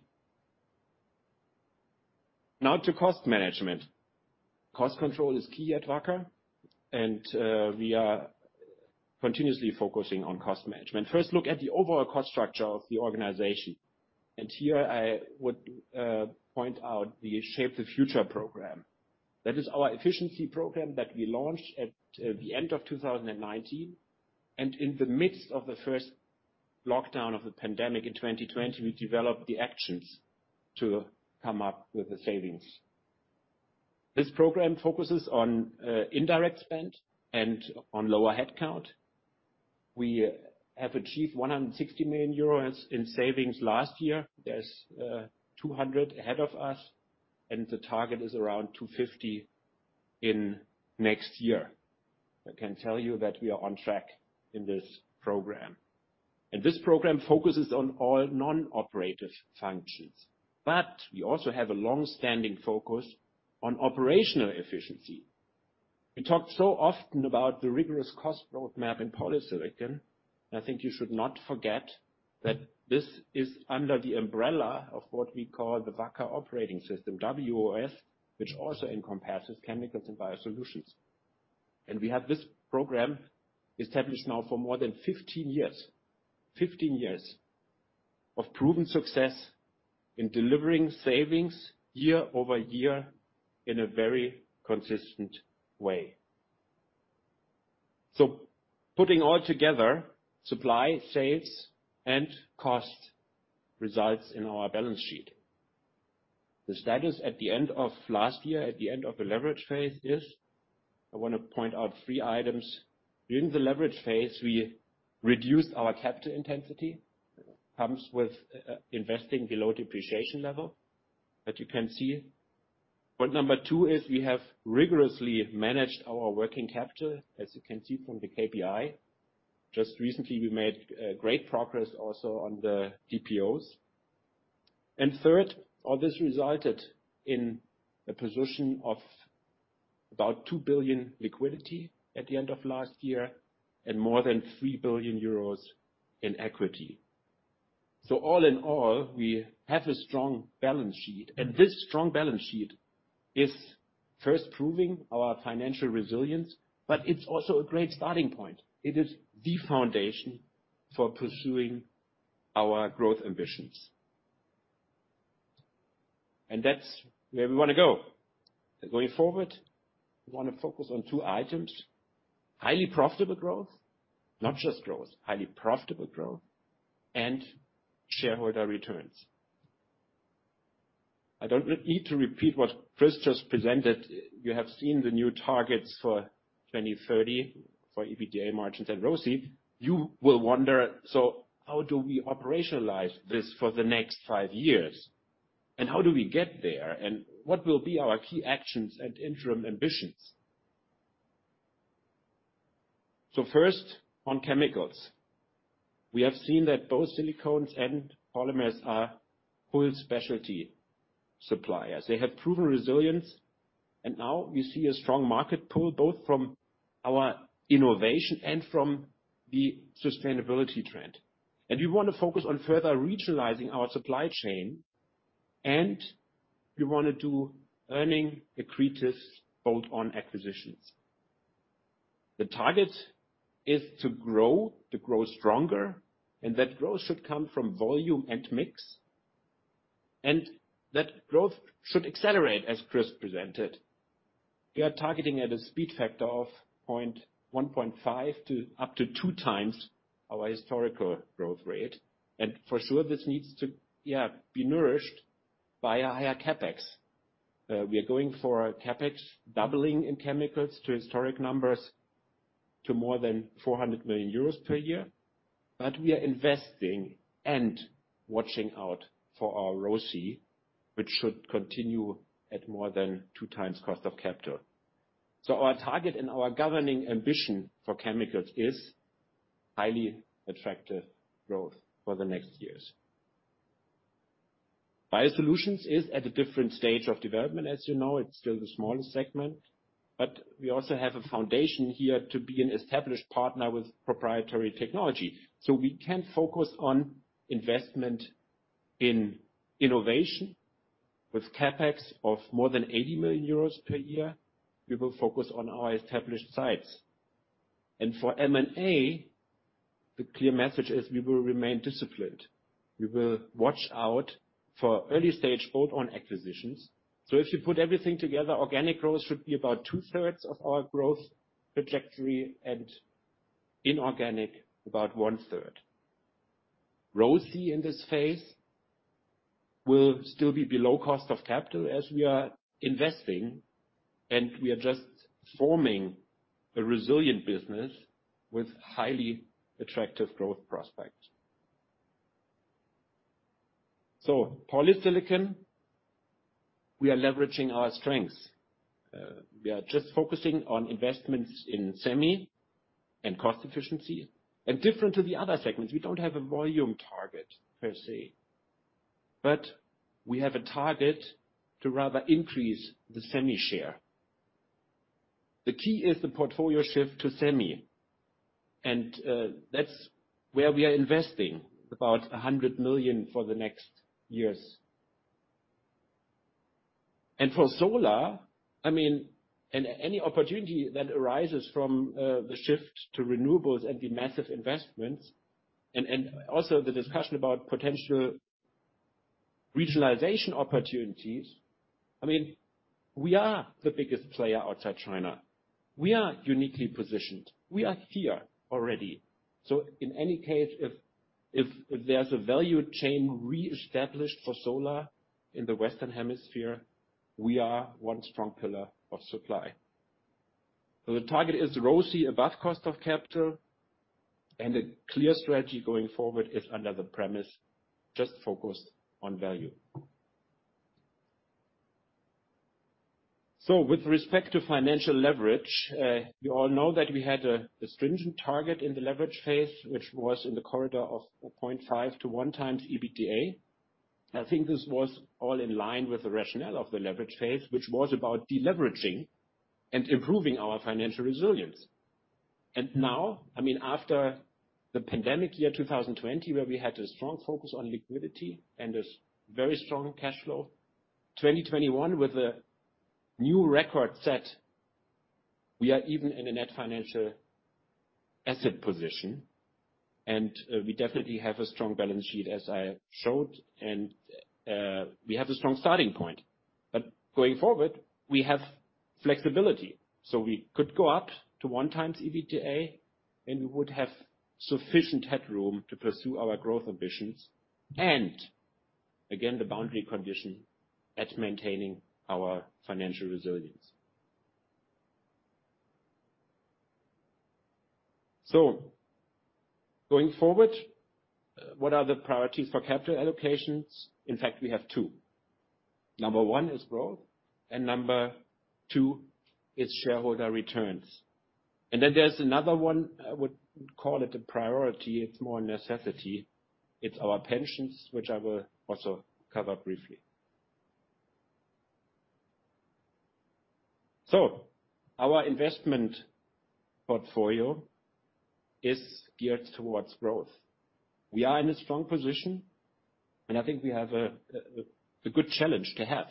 Now to cost management. Cost control is key at Wacker and we are continuously focusing on cost management. First, look at the overall cost structure of the organization. Here I would point out the Shape the Future program. That is our efficiency program that we launched at the end of 2019 and in the midst of the first lockdown of the pandemic in 2020, we developed the actions to come up with the savings. This program focuses on indirect spend and on lower headcount. We have achieved 160 million euros in savings last year. There's 200 million ahead of us and the target is around 250 million in next year. I can tell you that we are on track in this program. This program focuses on all non-operative functions. We also have a longstanding focus on operational efficiency. We talked so often about the rigorous cost roadmap in polysilicon, and I think you should not forget that this is under the umbrella of what we call the Wacker Operating System, WOS, which also encompasses chemicals and Biosolutions. We have this program established now for more than 15 years. 15 years of proven success in delivering savings year-over-year in a very consistent way. Putting all together, supply, sales, and cost results in our balance sheet. The status at the end of last year, at the end of the leverage phase is, I want to point out three items. During the leverage phase, we reduced our capital intensity by investing below depreciation level. You can see. Point number two is we have rigorously managed our working capital, as you can see from the KPI. Just recently, we made great progress also on the DPOs. Third, all this resulted in a position of about 2 billion liquidity at the end of last year and more than 3 billion euros in equity. All in all, we have a strong balance sheet, and this strong balance sheet is first proving our financial resilience, but it's also a great starting point. It is the foundation for pursuing our growth ambitions. That's where we want to go. Going forward, we want to focus on two items, highly profitable growth, not just growth, highly profitable growth, and shareholder returns. I don't need to repeat what Chris just presented. You have seen the new targets for 2030 for EBITDA margins and ROCE. You will wonder, how do we operationalize this for the next five years? How do we get there? What will be our key actions and interim ambitions? First, on chemicals. We have seen that both silicones and polymers are full specialty suppliers. They have proven resilience, and now we see a strong market pull, both from our innovation and from the sustainability trend. We want to focus on further regionalizing our supply chain. We want to do earning accretive bolt-on acquisitions. The target is to grow, to grow stronger, and that growth should come from volume and mix. That growth should accelerate, as Chris presented. We are targeting at a speed factor of 1.5 to up to two times our historical growth rate. For sure, this needs to be nourished by a higher CapEx. We are going for a CapEx doubling in chemicals to historic numbers to more than 400 million euros per year. We are investing and watching out for our ROCE, which should continue at more than 2 times cost of capital. Our target and our governing ambition for chemicals is highly attractive growth for the next years. Biosolutions is at a different stage of development. As you know, it's still the smallest segment, but we also have a foundation here to be an established partner with proprietary technology. We can focus on investment in innovation with CapEx of more than 80 million euros per year. We will focus on our established sites. For M&A, the clear message is we will remain disciplined. We will watch out for early-stage bolt-on acquisitions. If you put everything together, organic growth should be about two-thirds of our growth trajectory and inorganic, about one-third. ROCE in this phase will still be below cost of capital as we are investing, and we are just forming a resilient business with highly attractive growth prospects. Polysilicon, we are leveraging our strengths. We are just focusing on investments in semi and cost efficiency. Different to the other segments, we don't have a volume target per se, but we have a target to rather increase the semi share. The key is the portfolio shift to semi. That's where we are investing about 100 million for the next years. For solar, and any opportunity that arises from the shift to renewables and the massive investments and also the discussion about potential regionalization opportunities. We are the biggest player outside China. We are uniquely positioned. We are here already. In any case, if there's a value chain reestablished for solar in the Western Hemisphere, we are one strong pillar of supply. The target is ROCE above cost of capital, and a clear strategy going forward is under the premise, just focus on value. With respect to financial leverage, you all know that we had a stringent target in the leverage phase, which was in the corridor of 0.5x-1x EBITDA. I think this was all in line with the rationale of the leverage phase, which was about deleveraging and improving our financial resilience. Now, after the pandemic year 2020, where we had a strong focus on liquidity and a very strong cash flow, 2021, with a new record set, we are even in a net financial asset position, and we definitely have a strong balance sheet as I showed, and we have a strong starting point. Going forward, we have flexibility. We could go up to 1x EBITDA, and we would have sufficient headroom to pursue our growth ambitions. Again, the boundary condition of maintaining our financial resilience. Going forward, what are the priorities for capital allocations? In fact, we have two. Number one is growth, and number two is shareholder returns. Then there's another one, I would call it a priority. It's more a necessity. It's our pensions, which I will also cover briefly. Our investment portfolio is geared towards growth. We are in a strong position, and I think we have a good challenge to have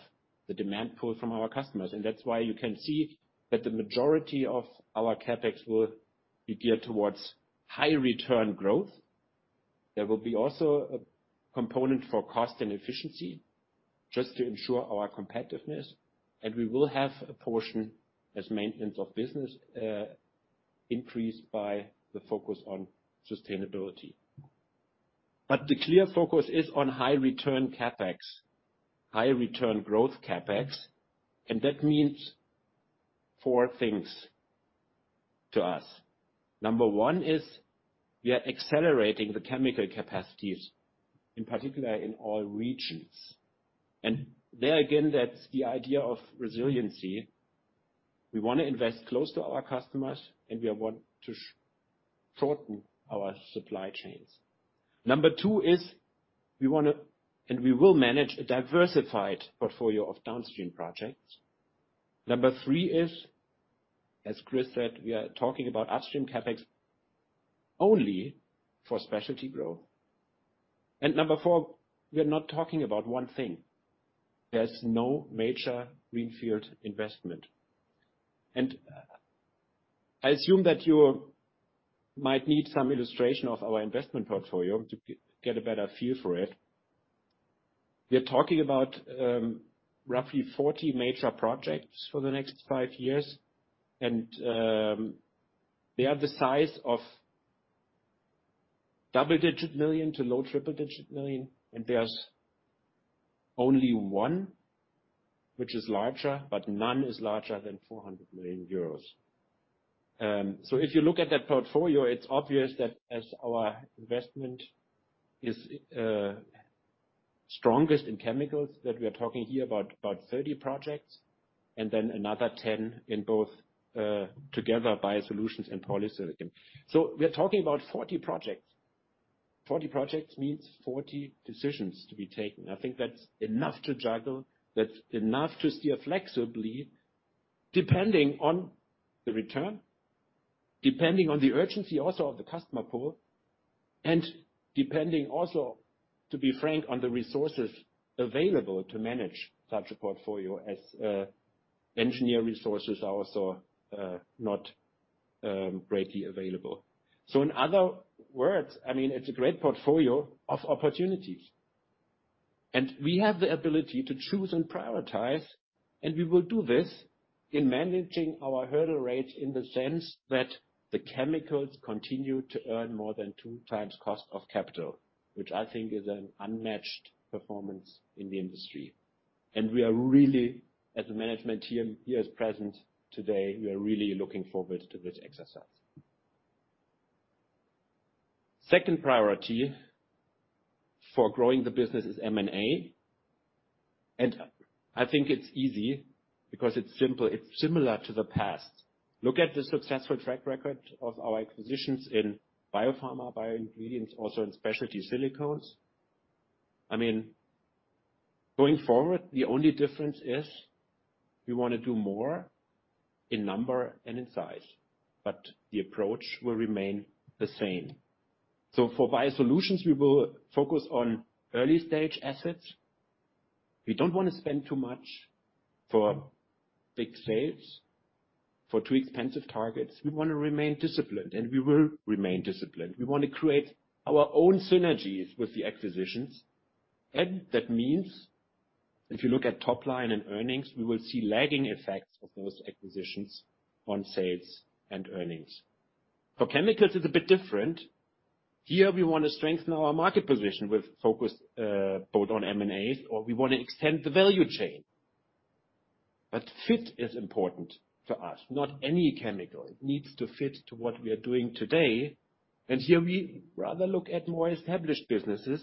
the demand pull from our customers. That's why you can see that the majority of our CapEx will be geared towards high-return growth. There will also be a component for cost and efficiency just to ensure our competitiveness, and we will have a portion as maintenance of business, increased by the focus on sustainability. The clear focus is on high return CapEx, high return growth CapEx, and that means four things to us. Number one is we are accelerating the chemical capacities, in particular, in all regions. There again, that's the idea of resiliency. We want to invest close to our customers, and we want to shorten our supply chains. Number two is we want to, and we will manage a diversified portfolio of downstream projects. Number three is, as Chris said, we are talking about upstream CapEx only for specialty growth. Number four, we are not talking about one thing. There's no major greenfield investment. I assume that you might need some illustration of our investment portfolio to get a better feel for it. We're talking about roughly 40 major projects for the next five years, and they are the size of double-digit million to low triple-digit million, and there's only one which is larger, but none is larger than 400 million euros. If you look at that portfolio, it's obvious that as our investment is strongest in chemicals, that we are talking here about 30 projects and then another 10 in both together, Biosolutions and polysilicon. We are talking about 40 projects. 40 projects means 40 decisions to be taken. I think that's enough to juggle. That's enough to steer flexibly, depending on the return, depending on the urgency, also of the customer pool, and depending also, to be frank, on the resources available to manage such a portfolio as engineer resources are also not greatly available. In other words, it's a great portfolio of opportunities. We have the ability to choose and prioritize, and we will do this in managing our hurdle rates in the sense that the chemicals continue to earn more than 2x cost of capital, which I think is an unmatched performance in the industry. We are really, as a management team here as present today, we are really looking forward to this exercise. Second priority for growing the business is M&A. I think it's easy because it's simple. It's similar to the past. Look at the successful track record of our acquisitions in biopharma, bioingredients, also in specialty silicones. Going forward, the only difference is we want to do more in number and in size, but the approach will remain the same. For Biosolutions, we will focus on early-stage assets. We don't want to spend too much for big sales, for too expensive targets. We want to remain disciplined, and we will remain disciplined. We want to create our own synergies with the acquisitions. That means if you look at top line and earnings, we will see lagging effects of those acquisitions on sales and earnings. For chemicals, it's a bit different. Here, we want to strengthen our market position with focus both on M&As, or we want to extend the value chain. Fit is important to us. Not any chemical. It needs to fit to what we are doing today. Here we rather look at more established businesses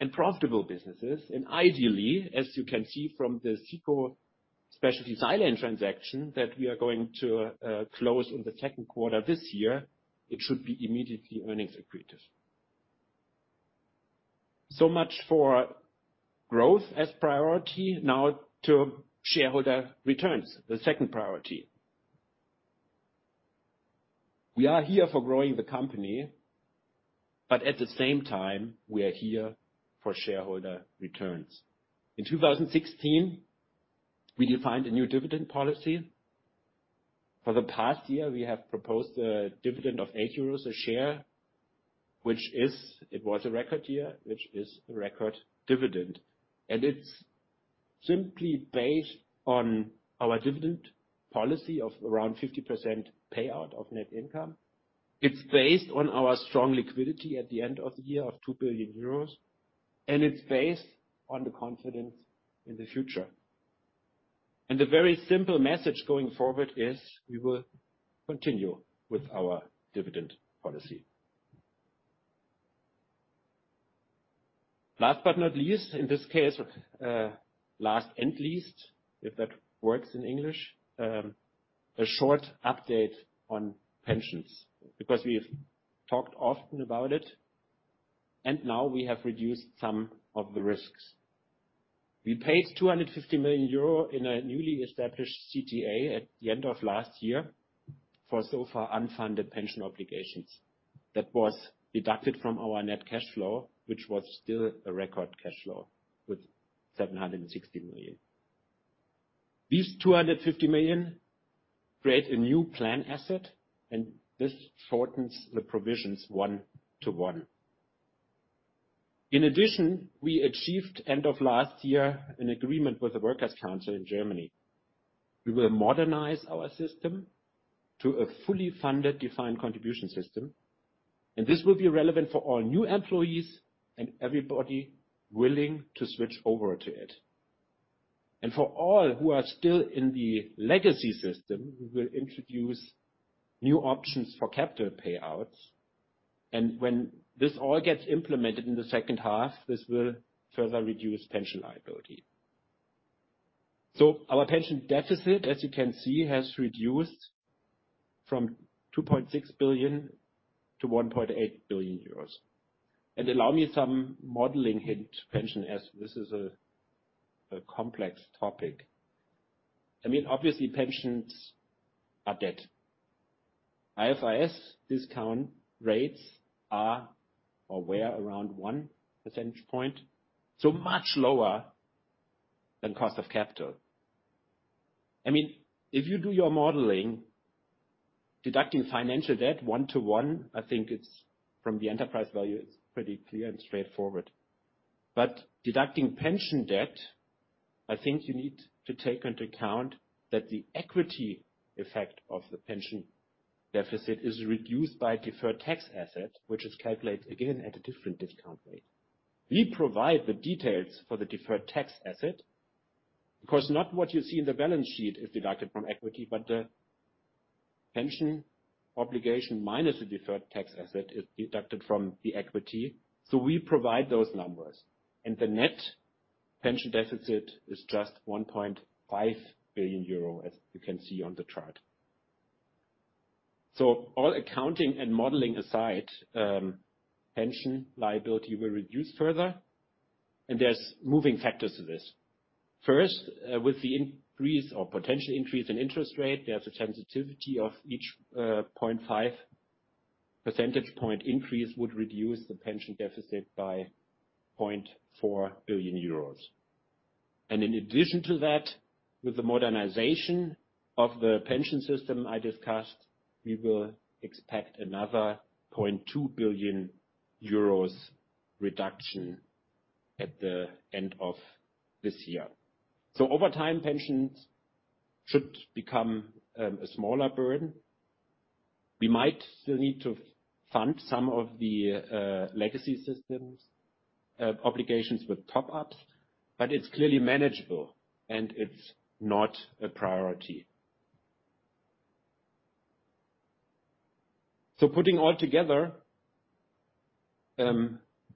and profitable businesses. Ideally, as you can see from the SICO specialty silane transaction that we are going to close in the second quarter this year, it should be immediately earnings accretive. So much for growth as priority. Now to shareholder returns, the second priority. We are here for growing the company, but at the same time, we are here for shareholder returns. In 2016, we defined a new dividend policy. For the past year, we have proposed a dividend of 8 euros a share. It was a record year, which is a record dividend. It's simply based on our dividend policy of around 50% payout of net income. It's based on our strong liquidity at the end of the year of 2 billion euros, and it's based on the confidence in the future. The very simple message going forward is we will continue with our dividend policy. Last but not least, in this case, last and least, if that works in English, a short update on pensions, because we've talked often about it, and now we have reduced some of the risks. We paid 250 million euro in a newly established CTA at the end of last year for so far unfunded pension obligations. That was deducted from our net cash flow, which was still a record cash flow with 760 million. These 250 million create a new plan asset, and this shortens the provisions 1:1. In addition, we achieved, end of last year, an agreement with the Workers' Council in Germany. We will modernize our system to a fully funded defined contribution system, and this will be relevant for all new employees and everybody willing to switch over to it. for all who are still in the legacy system, we will introduce new options for capital payouts. When this all gets implemented in the second half, this will further reduce pension liability. Our pension deficit, as you can see, has reduced from 2.6 billion to 1.8 billion euros. Allow me some modeling hint, pension, as this is a complex topic. Obviously, pensions are debt. IFRS discount rates are or were around 1 percentage point, so much lower than cost of capital. If you do your modeling, deducting financial debt 1:1, I think from the enterprise value, it's pretty clear and straightforward. Deducting pension debt, I think you need to take into account that the equity effect of the pension deficit is reduced by deferred tax asset, which is calculated again at a different discount rate. We provide the details for the deferred tax asset, because not what you see in the balance sheet is deducted from equity, but the pension obligation minus the deferred tax asset is deducted from the equity. We provide those numbers, and the net pension deficit is just 1.5 billion euro, as you can see on the chart. All accounting and modeling aside, pension liability will reduce further and there's moving factors to this. First, with the increase or potential increase in interest rate, there's a sensitivity of each 0.5 percentage point increase would reduce the pension deficit by 0.4 billion euros. In addition to that, with the modernization of the pension system I discussed, we will expect another 0.2 billion euros reduction at the end of this year. Over time, pensions should become a smaller burden. We might still need to fund some of the legacy systems, obligations with top-ups, but it's clearly manageable and it's not a priority. Putting all together,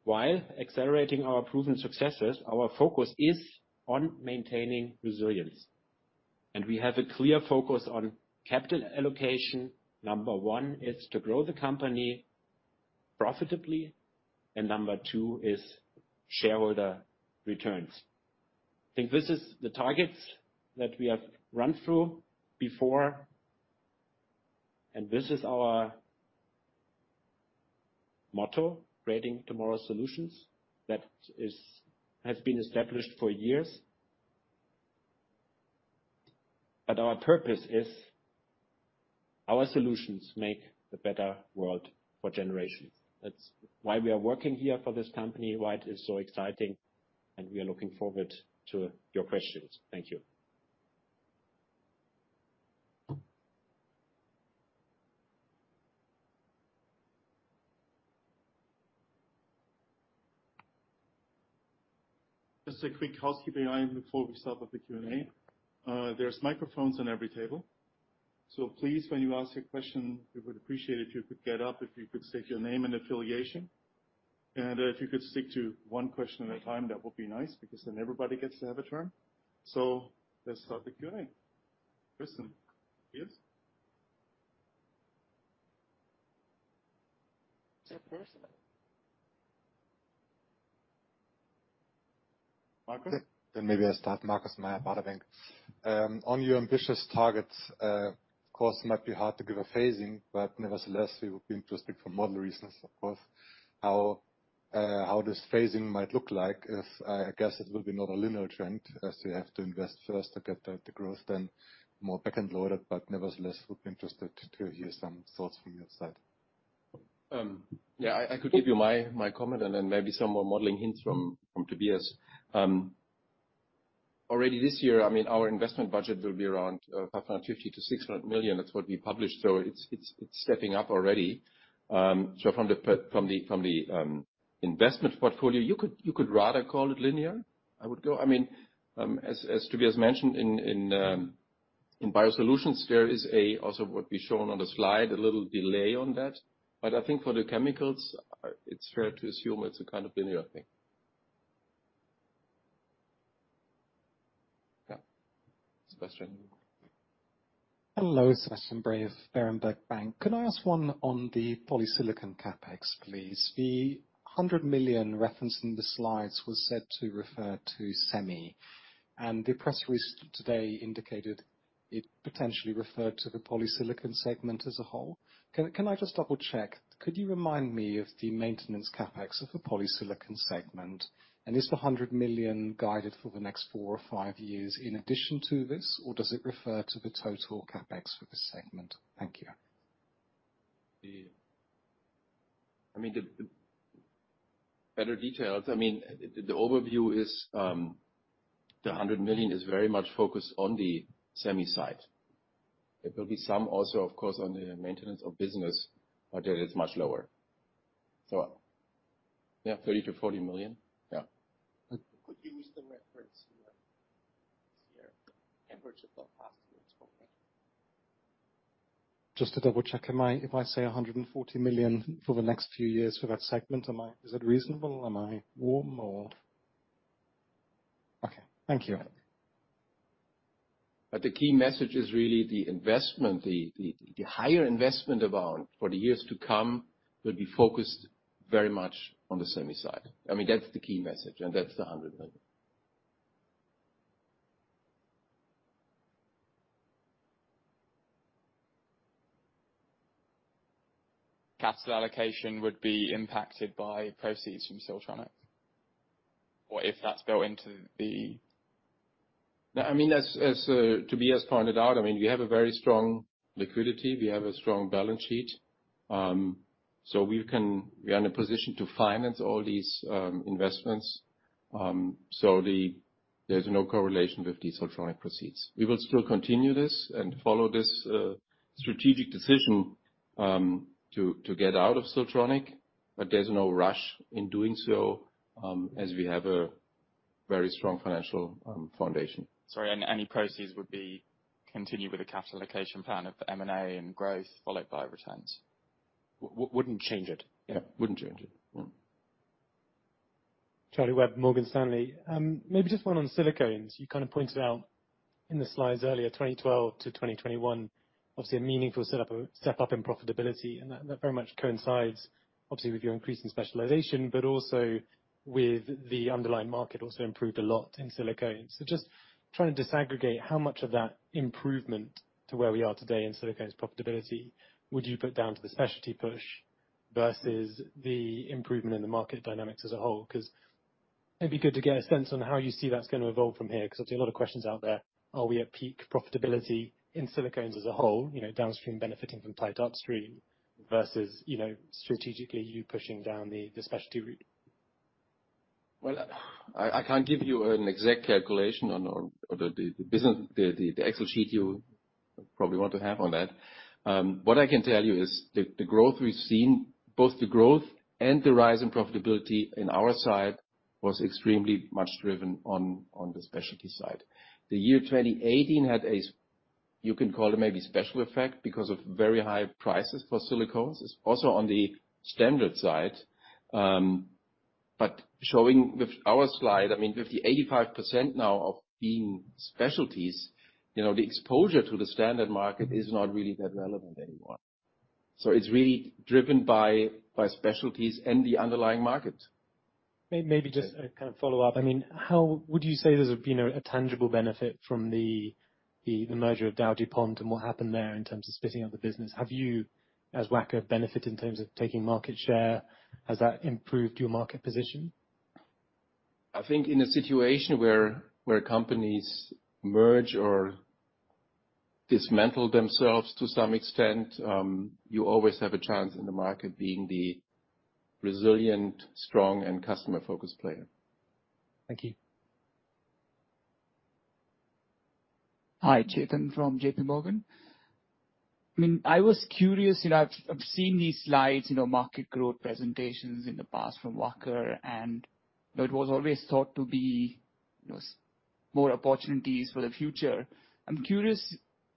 while accelerating our proven successes, our focus is on maintaining resilience. We have a clear focus on capital allocation. Number one is to grow the company profitably, and number two is shareholder returns. I think this is the targets that we have run through before, and this is our motto, creating tomorrow's solutions, that has been established for years. Our purpose is our solutions make a better world for generations. That's why we are working here for this company, why it is so exciting, and we are looking forward to your questions. Thank you. Just a quick housekeeping item before we start with the Q&A. There's microphones on every table. Please, when you ask a question, we would appreciate it if you could get up, if you could state your name and affiliation. If you could stick to one question at a time, that would be nice, because then everybody gets to have a turn. Let's start the Q&A. Christian, please. Is there a person? Markus? Maybe I start, Markus Mayer at Baader Bank. On your ambitious targets, of course, it might be hard to give a phasing, but nevertheless, it would be interesting for model reasons, of course, how this phasing might look like. If, I guess it will be not a linear trend as we have to invest first to get the growth, then more back-end loaded, but nevertheless, would be interested to hear some thoughts from your side? Yeah, I could give you my comment and then maybe some more modeling hints from Tobias. Already this year, our investment budget will be around 550 million-600 million. That's what we published. It's stepping up already. From the investment portfolio, you could rather call it linear, I would go. As Tobias mentioned, in Biosolutions, there is also what we've shown on the slide, a little delay on that, but I think for the chemicals, it's fair to assume it's a kind of linear thing. Yeah. Sebastian. Hello, Sebastian Bray of Berenberg Bank. Could I ask one on the polysilicon CapEx, please? The 100 million referenced in the slides was said to refer to semi. The press release today indicated it potentially referred to the polysilicon segment as a whole. Can I just double-check? Could you remind me of the maintenance CapEx of the polysilicon segment, and is the 100 million guided for the next four or five years in addition to this, or does it refer to the total CapEx for this segment? Thank you. I mean, the better details. An overview is the 100 million is very much focused on the semi side. There will be some also, of course, on the maintenance of business, but that is much lower. Yeah, 30 million-40 million. Yeah. Could you use the reference here compared to the past years for me? Just to double-check, if I say EUR 140 million for the next few years for that segment, is that reasonable? Am I warm or? Okay. Thank you. The key message is really the investment. The higher investment amount for the years to come will be focused very much on the semi side. I mean, that's the key message, and that's the 100 million. Capital allocation would be impacted by proceeds from Siltronic. If that's built into the- No, I mean, as Tobias pointed out, we have a very strong liquidity. We have a strong balance sheet. We are in a position to finance all these investments. There's no correlation with the Siltronic proceeds. We will still continue this and follow this strategic decision to get out of Siltronic. There's no rush in doing so, as we have a very strong financial foundation. Sorry, any proceeds would be continued with a capital allocation plan of M&A and growth followed by returns. Wouldn't change it. Yeah. Wouldn't change it. Charlie Webb, Morgan Stanley. Maybe just one on silicones. You kind of pointed out in the slides earlier, 2012 to 2021, obviously a meaningful step up in profitability. That very much coincides, obviously, with your increase in specialization, but also with the underlying market also improved a lot in silicones. Just trying to disaggregate how much of that improvement to where we are today in silicones profitability would you put down to the specialty push versus the improvement in the market dynamics as a whole? Because it'd be good to get a sense on how you see that's going to evolve from here, because obviously a lot of questions out there. Are we at peak profitability in silicones as a whole, downstream benefiting from tied upstream versus, strategically, you pushing down the specialty route? Well, I can't give you an exact calculation on the business, the Excel sheet you probably want to have on that. What I can tell you is the growth we've seen, both the growth and the rise in profitability in our side, was extremely much driven on the specialty side. The year 2018 had a, you can call it maybe special effect because of very high prices for silicones. It's also on the standard side. Showing with our slide, I mean, with the 85% now of being specialties, the exposure to the standard market is not really that relevant anymore. It's really driven by specialties and the underlying market. Maybe just to kind of follow up. I mean, how would you say there's a tangible benefit from the merger of DowDuPont and what happened there in terms of splitting up the business? Have you, as Wacker, benefited in terms of taking market share? Has that improved your market position? I think in a situation where companies merge or dismantle themselves to some extent, you always have a chance in the market being the resilient, strong, and customer-focused player. Thank you. Hi, [Chetan] from JPMorgan. I mean, I was curious. I've seen these slides, market growth presentations in the past from Wacker, and it was always thought to be more opportunities for the future. I'm curious,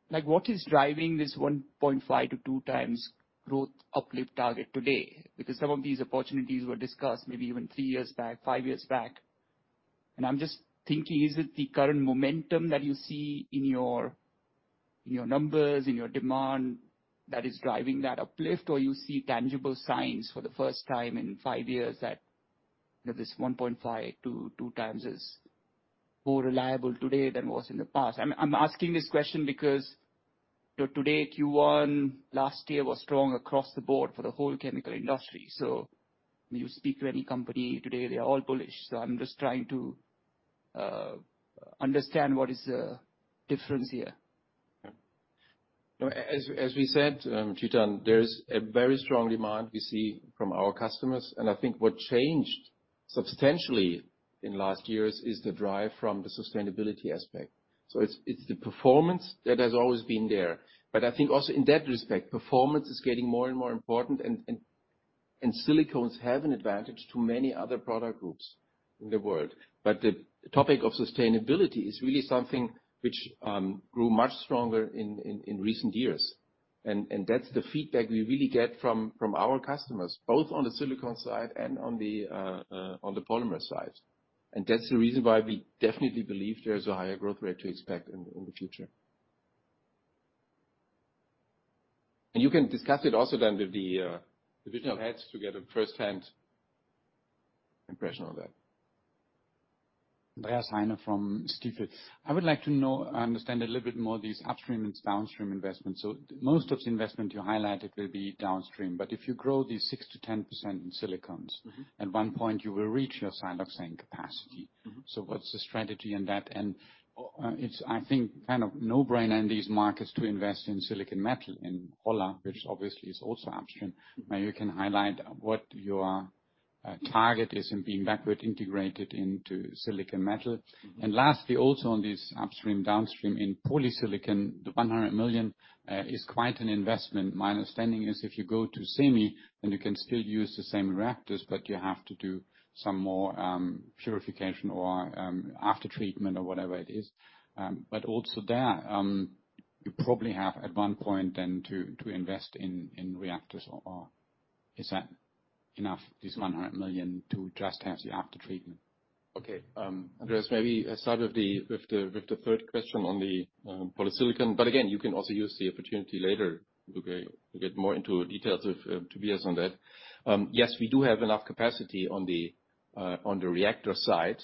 what is driving this 1.5x-2x growth uplift target today? Because some of these opportunities were discussed maybe even three years back, five years back. I'm just thinking, is it the current momentum that you see in your numbers, in your demand that is driving that uplift? Or you see tangible signs for the first time in five years that this 1.5x-2x is more reliable today than it was in the past? I'm asking this question because today Q1 last year was strong across the board for the whole chemical industry. When you speak to any company today, they are all bullish. I'm just trying to understand what is different here. As we said, [Chetan], there is a very strong demand we see from our customers. I think what changed substantially in the last years is the drive from the sustainability aspect. It's the performance that has always been there. I think also in that respect, performance is getting more and more important and silicones have an advantage to many other product groups in the world. The topic of sustainability is really something which grew much stronger in recent years. That's the feedback we really get from our customers, both on the silicone side and on the polymer side. That's the reason why we definitely believe there is a higher growth rate to expect in the future. You can discuss it also then with the division heads to get a first-hand impression of that. Andreas Heine from Stifel. I would like to know, understand a little bit more these upstream and downstream investments. Most of the investment you highlighted will be downstream, but if you grow these 6%-10% in silicones- Mm-hmm. At one point, you will reach your siloxane capacity. Mm-hmm. What's the strategy in that? It's, I think, kind of no-brainer in these markets to invest in Silicon Metal, in Holla, which obviously is also upstream. Maybe you can highlight what your target is in being backward integrated into Silicon Metal. Lastly, also on this upstream, downstream in polysilicon, the 100 million is quite an investment. My understanding is if you go to semi, then you can still use the same reactors, but you have to do some more purification or after treatment or whatever it is. Also there, you probably have at one point then to invest in reactors or is that enough, this 100 million to just have the aftertreatment? Okay. Andreas, maybe I start with the third question on the polysilicon. Again, you can also use the opportunity later to get more into details with Tobias on that. Yes, we do have enough capacity on the reactor side.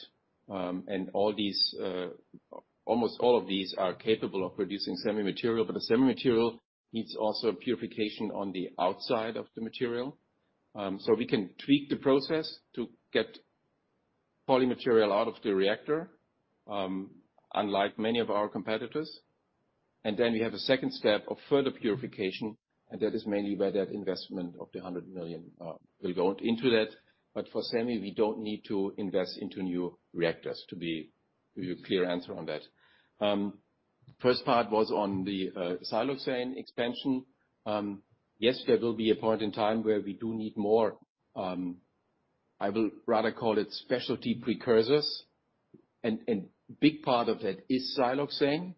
Almost all of these are capable of producing semi material, but the semi material needs also purification on the outside of the material. We can tweak the process to get poly material out of the reactor, unlike many of our competitors. Then we have a second step of further purification, and that is mainly where that investment of 100 million will go into that. For semi, we don't need to invest into new reactors, to be a clear answer on that. First part was on the siloxane expansion. Yes, there will be a point in time where we do need more, I will rather call it specialty precursors, and big part of that is siloxane.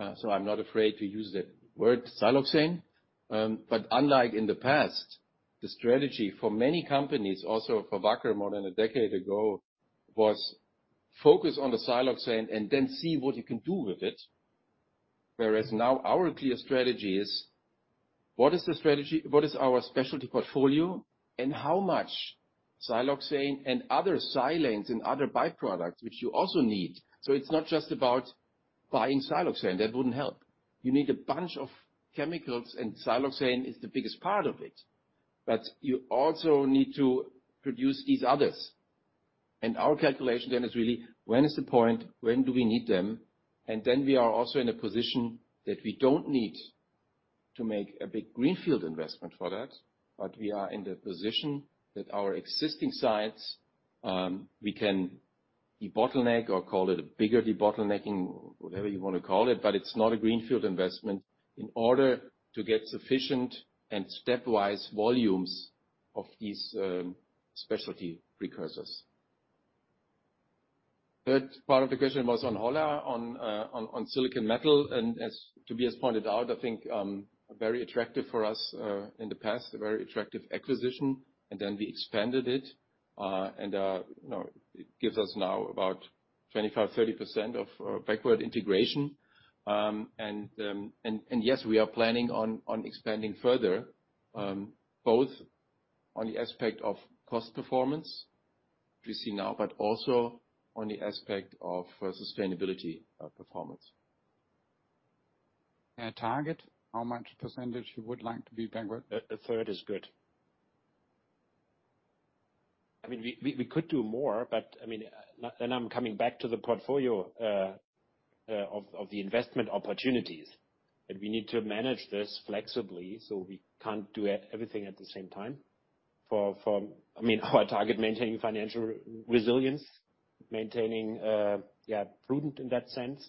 I'm not afraid to use the word siloxane. Unlike in the past, the strategy for many companies, also for Wacker more than a decade ago, was focus on the siloxane and then see what you can do with it. Whereas now our clear strategy is, what is our specialty portfolio and how much siloxane and other silanes and other byproducts which you also need. It's not just about buying siloxane. That wouldn't help. You need a bunch of chemicals, and siloxane is the biggest part of it. But you also need to produce these others. Our calculation then is really when is the point? When do we need them? Then we are also in a position that we don't need to make a big greenfield investment for that, but we are in the position that our existing sites, we can debottleneck or call it a bigger debottlenecking, whatever you want to call it, but it's not a greenfield investment in order to get sufficient and stepwise volumes of these specialty precursors. Third part of the question was on Holla, on Silicon Metal, and as Tobias pointed out, I think very attractive for us in the past, a very attractive acquisition, and then we expanded it. It gives us now about 25%-30% of backward integration. Yes, we are planning on expanding further, both on the aspect of cost performance, which we see now, but also on the aspect of sustainability performance. Target? How much percentage you would like to be backward? A third is good. We could do more, and I'm coming back to the portfolio of the investment opportunities that we need to manage this flexibly, so we can't do everything at the same time. For our target, maintaining financial resilience, prudent in that sense,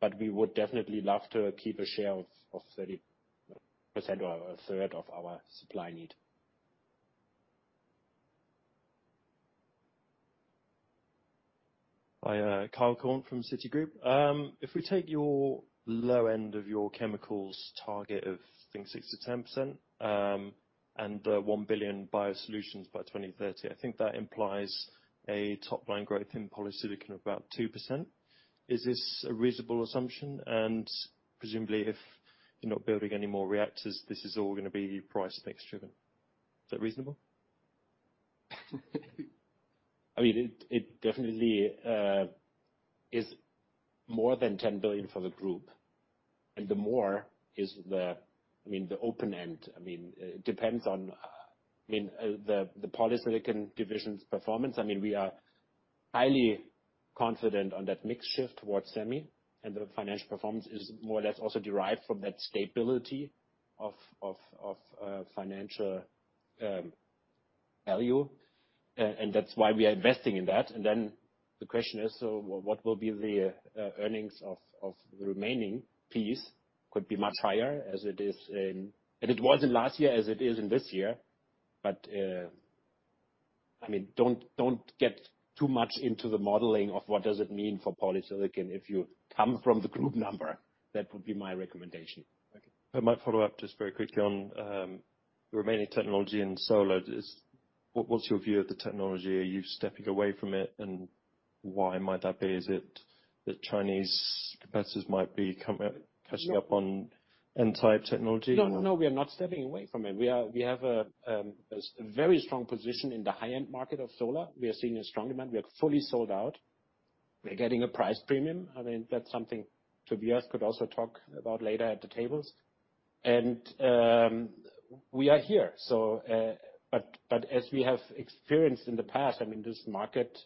but we would definitely love to keep a share of 30% or a third of our supply need. Hi, Ranulf Orr from Citigroup. If we take your low end of your chemicals target of, I think, 6%-10%, and the 1 billion Biosolutions by 2030, I think that implies a top-line growth in polysilicon of about 2%. Is this a reasonable assumption? Presumably, if you're not building any more reactors, this is all going to be price mix driven. Is that reasonable? It definitely is more than 10 billion for the group. The more is the open-end. It depends on the polysilicon division's performance. We are highly confident on that mix shift towards semi, and the financial performance is more or less also derived from that stability of financial value. That's why we are investing in that. The question is, what will be the earnings of the remaining piece? Could be much higher as it was in last year, as it is in this year. Don't get too much into the modeling of what does it mean for polysilicon if you come from the group number. That would be my recommendation. Okay. I might follow up just very quickly on the remaining technology in solar. What's your view of the technology? Are you stepping away from it, and why might that be? Is it that Chinese competitors might be catching up on N-type technology? No, we are not stepping away from it. We have a very strong position in the high-end market of solar. We are seeing a strong demand. We are fully sold out. We are getting a price premium. That's something Tobias could also talk about later at the tables. We are here. As we have experienced in the past, this market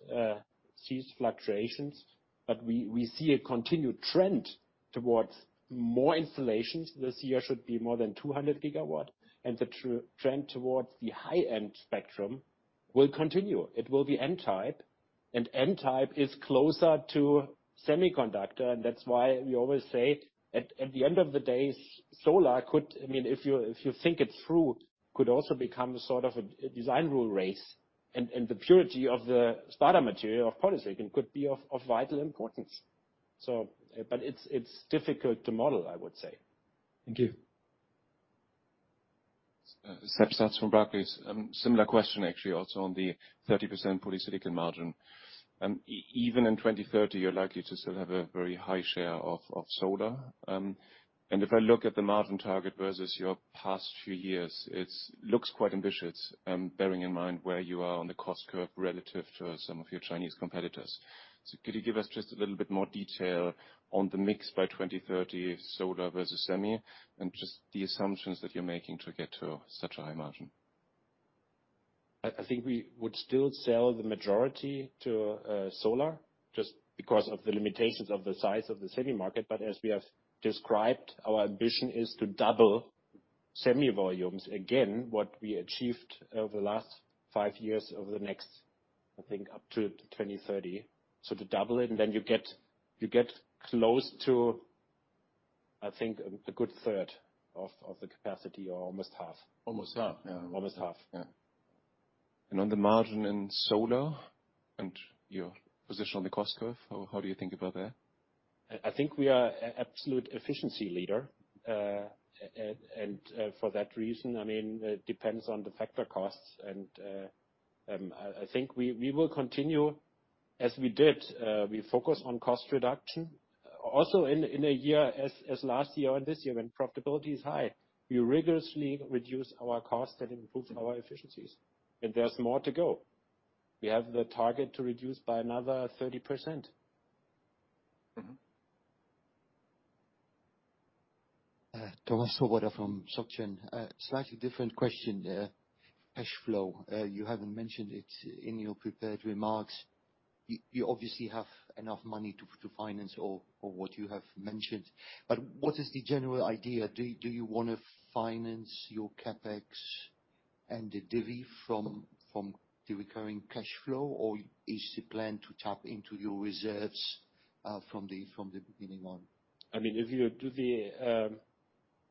These fluctuations, we see a continued trend towards more installations. This year should be more than 200 GW, and the trend towards the high-end spectrum will continue. It will be N-type, and N-type is closer to semiconductor, and that's why we always say, at the end of the day, solar, if you think it through, could also become sort of a design rule race, and the purity of the starter material of polysilicon could be of vital importance. It's difficult to model, I would say. Thank you. Sebastian Satz from Barclays. Similar question, actually, also on the 30% polysilicon margin. Even in 2030, you're likely to still have a very high share of solar. If I look at the margin target versus your past few years, it looks quite ambitious, bearing in mind where you are on the cost curve relative to some of your Chinese competitors. Could you give us just a little bit more detail on the mix by 2030, solar versus semi, and just the assumptions that you're making to get to such a high margin? I think we would still sell the majority to solar, just because of the limitations of the size of the semi market. As we have described, our ambition is to double semi volumes again, what we achieved over the last five years, over the next, I think, up to 2030, to double it, and then you get close to, I think, a good 1/3 of the capacity or almost 1/2. Almost half? Almost half. Yeah. On the margin in solar and your position on the cost curve, how do you think about that? I think we are absolute efficiency leader. For that reason, it depends on the factor costs, and I think we will continue as we did. We focus on cost reduction. Also in a year, as last year and this year, when profitability is high, we rigorously reduce our costs and improve our efficiencies. There's more to go. We have the target to reduce by another 30%. Mm-hmm. Thomas Swoboda from Société Générale. Slightly different question. Cash flow. You haven't mentioned it in your prepared remarks. You obviously have enough money to finance all what you have mentioned, but what is the general idea? Do you want to finance your CapEx and the divvy from the recurring cash flow, or is the plan to tap into your reserves from the beginning on? If you do the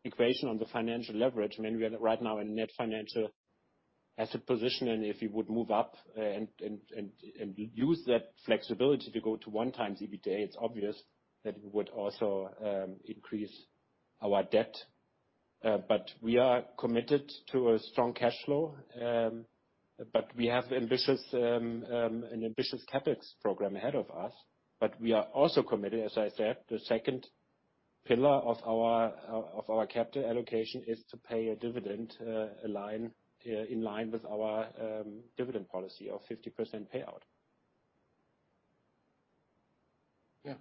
equation on the financial leverage, we are right now in net financial asset position, and if you would move up and use that flexibility to go to 1x EBITDA, it's obvious that it would also increase our debt. We are committed to a strong cash flow. We have an ambitious CapEx program ahead of us, but we are also committed. As I said, the second pillar of our capital allocation is to pay a dividend in line with our dividend policy of 50% payout. Yeah.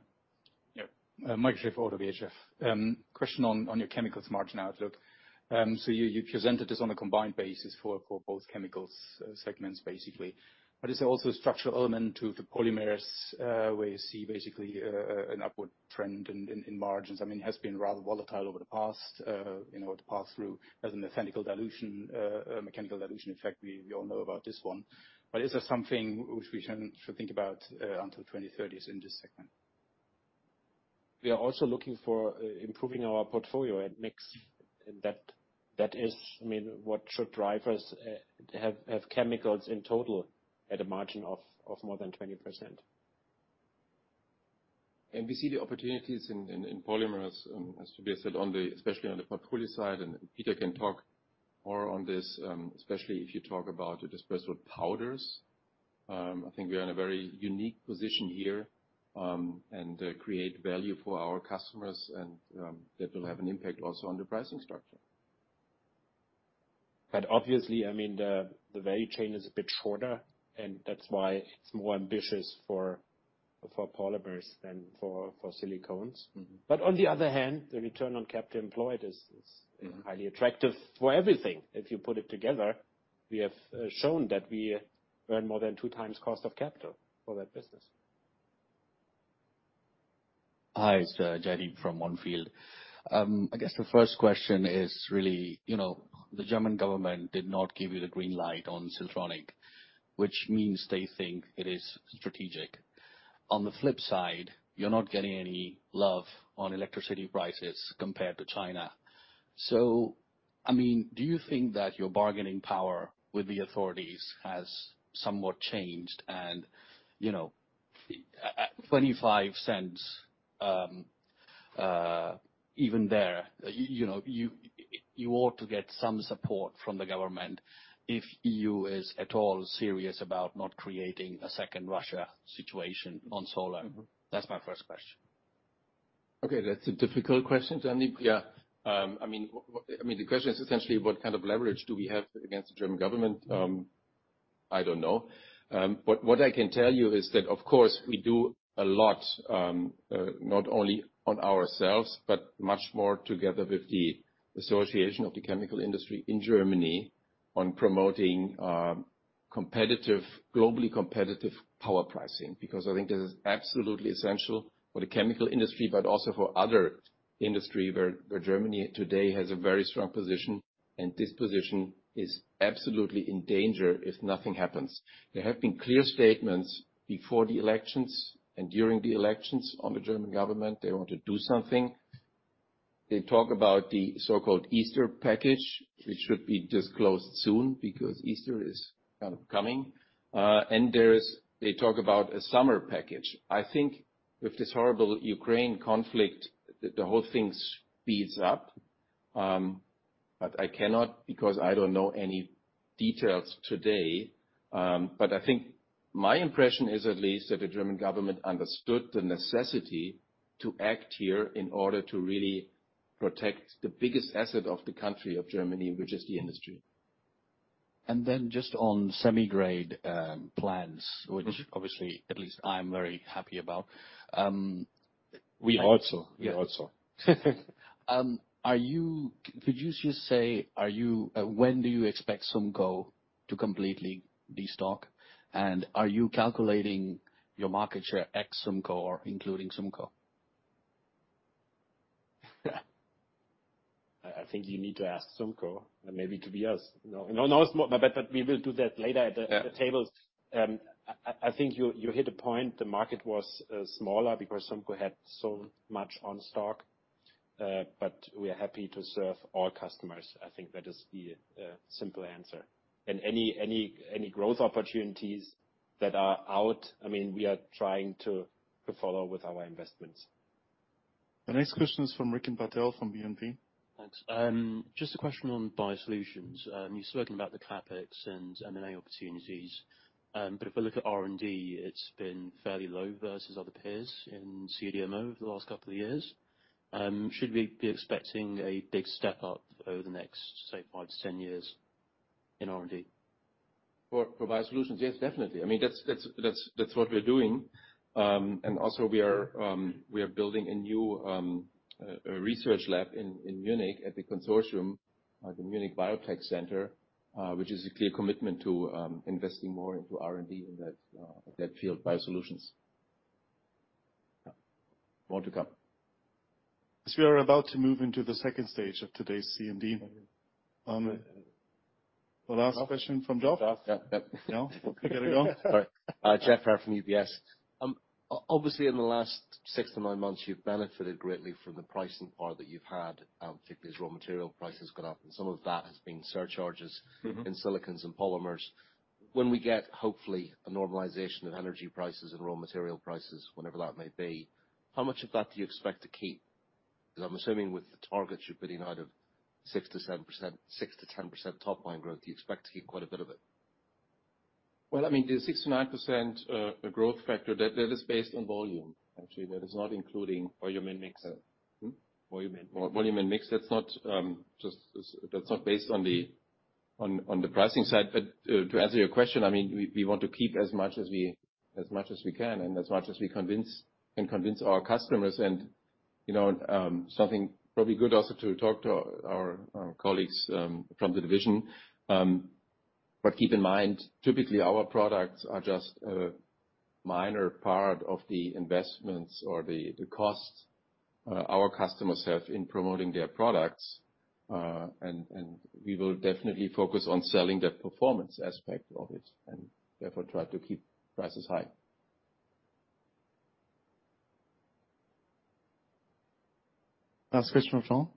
Yeah. Michael Schaefer, ODDO BHF. Question on your chemicals margin outlook. You presented this on a combined basis for both chemicals segments, basically. Is there also a structural element to the polymers, where you see basically an upward trend in margins? It has been rather volatile over the past, too, as a mechanical dilution effect. We all know about this one. Is there something which we should think about until 2030 in this segment? We are also looking for improving our portfolio. What should drive us have chemicals in total at a margin of more than 20%. We see the opportunities in polymers, as Tobias said, especially on the poly side, and Peter can talk more on this, especially if you talk about dispersible powders. I think we are in a very unique position here, and create value for our customers, and that will have an impact also on the pricing structure. Obviously, the value chain is a bit shorter, and that's why it's more ambitious for polymers than for silicones. Mm-hmm. On the other hand, the return on capital employed is. Mm-hmm Highly attractive for everything. If you put it together, we have shown that we earn more than 2x cost of capital for that business. Hi, it's Jaideep from On Field. I guess the first question is really, the German government did not give you the green light on Siltronic, which means they think it is strategic. On the flip side, you're not getting any love on electricity prices compared to China. Do you think that your bargaining power with the authorities has somewhat changed and, at 0.25, even there, you ought to get some support from the government if EU is at all serious about not creating a second Russia situation on solar. Mm-hmm. That's my first question. Okay, that's a difficult question, Jaideep. I mean, the question is essentially what kind of leverage do we have against the German government? I don't know. But what I can tell you is that, of course, we do a lot, not only on ourselves, but much more together with the Association of the Chemical Industry in Germany on promoting globally competitive power pricing, because I think this is absolutely essential for the chemical industry, but also for other industry where Germany today has a very strong position, and this position is absolutely in danger if nothing happens. There have been clear statements before the elections and during the elections on the German government, they want to do something. They talk about the so-called Easter Package, which should be disclosed soon, because Easter is coming. They talk about a summer package. I think with this horrible Ukraine conflict, the whole thing speeds up. I cannot, because I don't know any details today. I think my impression is at least that the German government understood the necessity to act here in order to really protect the biggest asset of the country of Germany, which is the industry. Just on semi-grade plans. Mm-hmm which obviously at least I'm very happy about. We are also. Yeah. We are also. Could you just say, when do you expect SUMCO to completely destock? And are you calculating your market share ex SUMCO or including SUMCO? I think you need to ask SUMCO, maybe Tobias.. No, I bet that we will do that later at the tables. Yeah. I think you hit a point. The market was smaller because SUMCO had so much on stock. But we are happy to serve all customers. I think that is the simple answer. Any growth opportunities that are out, we are trying to follow with our investments. The next question is from Rikin Patel from BNP. Thanks. Just a question on Biosolutions. You've spoken about the CapEx and M&A opportunities. If we look at R&D, it's been fairly low versus other peers in CDMO over the last couple of years. Should we be expecting a big step up over the next, say, 5-10 years in R&D? For Biosolutions, yes, definitely. That's what we're doing. Also we are building a new research lab in Munich at the consortium, the Munich Biotech Cluster, which is a clear commitment to investing more into R&D in that field, Biosolutions. More to come. As we are about to move into the second stage of today's CMD. The last question from Geoff. Geoff. Yep. No? We got to go. All right. Geoff Haire from UBS. Obviously, in the last 6-9 months, you've benefited greatly from the pricing power that you've had, particularly as raw material prices go up, and some of that has been surcharges. Mm-hmm In silicones and polymers. When we get, hopefully, a normalization of energy prices and raw material prices, whenever that may be, how much of that do you expect to keep? Because I'm assuming with the targets you're putting out of 6%-10% top line growth, you expect to keep quite a bit of it. Well, the 6%-9% growth factor, that is based on volume. Actually, that is not including- Volume and mix Hmm? Volume and mix. Volume and mix. That's not based on the pricing side. To answer your question, we want to keep as much as we can and as much as we can convince our customers. Something probably good also to talk to our colleagues from the division. Keep in mind, typically our products are just a minor part of the investments or the costs our customers have in promoting their products. We will definitely focus on selling that performance aspect of it and, therefore, try to keep prices high. Last question from Sean.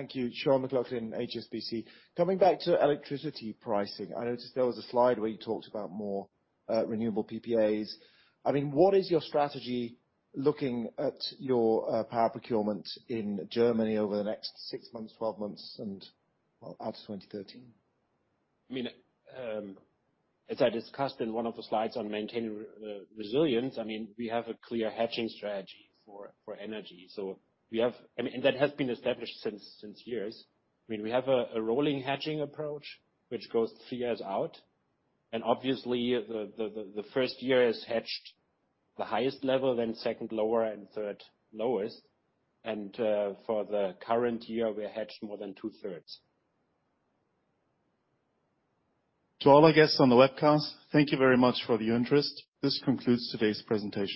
Thank you. Sean McLoughlin, HSBC. Coming back to electricity pricing, I noticed there was a slide where you talked about more renewable PPAs. What is your strategy looking at your power procurement in Germany over the next six months, 12 months and out to 2030? As I discussed in one of the slides on maintaining resilience, we have a clear hedging strategy for energy. That has been established for years. We have a rolling hedging approach, which goes three years out. Obviously, the first year is hedged the highest level, then second lower, and third lowest. For the current year, we hedged more than two-thirds. To all our guests on the webcast, thank you very much for the interest. This concludes today's presentation.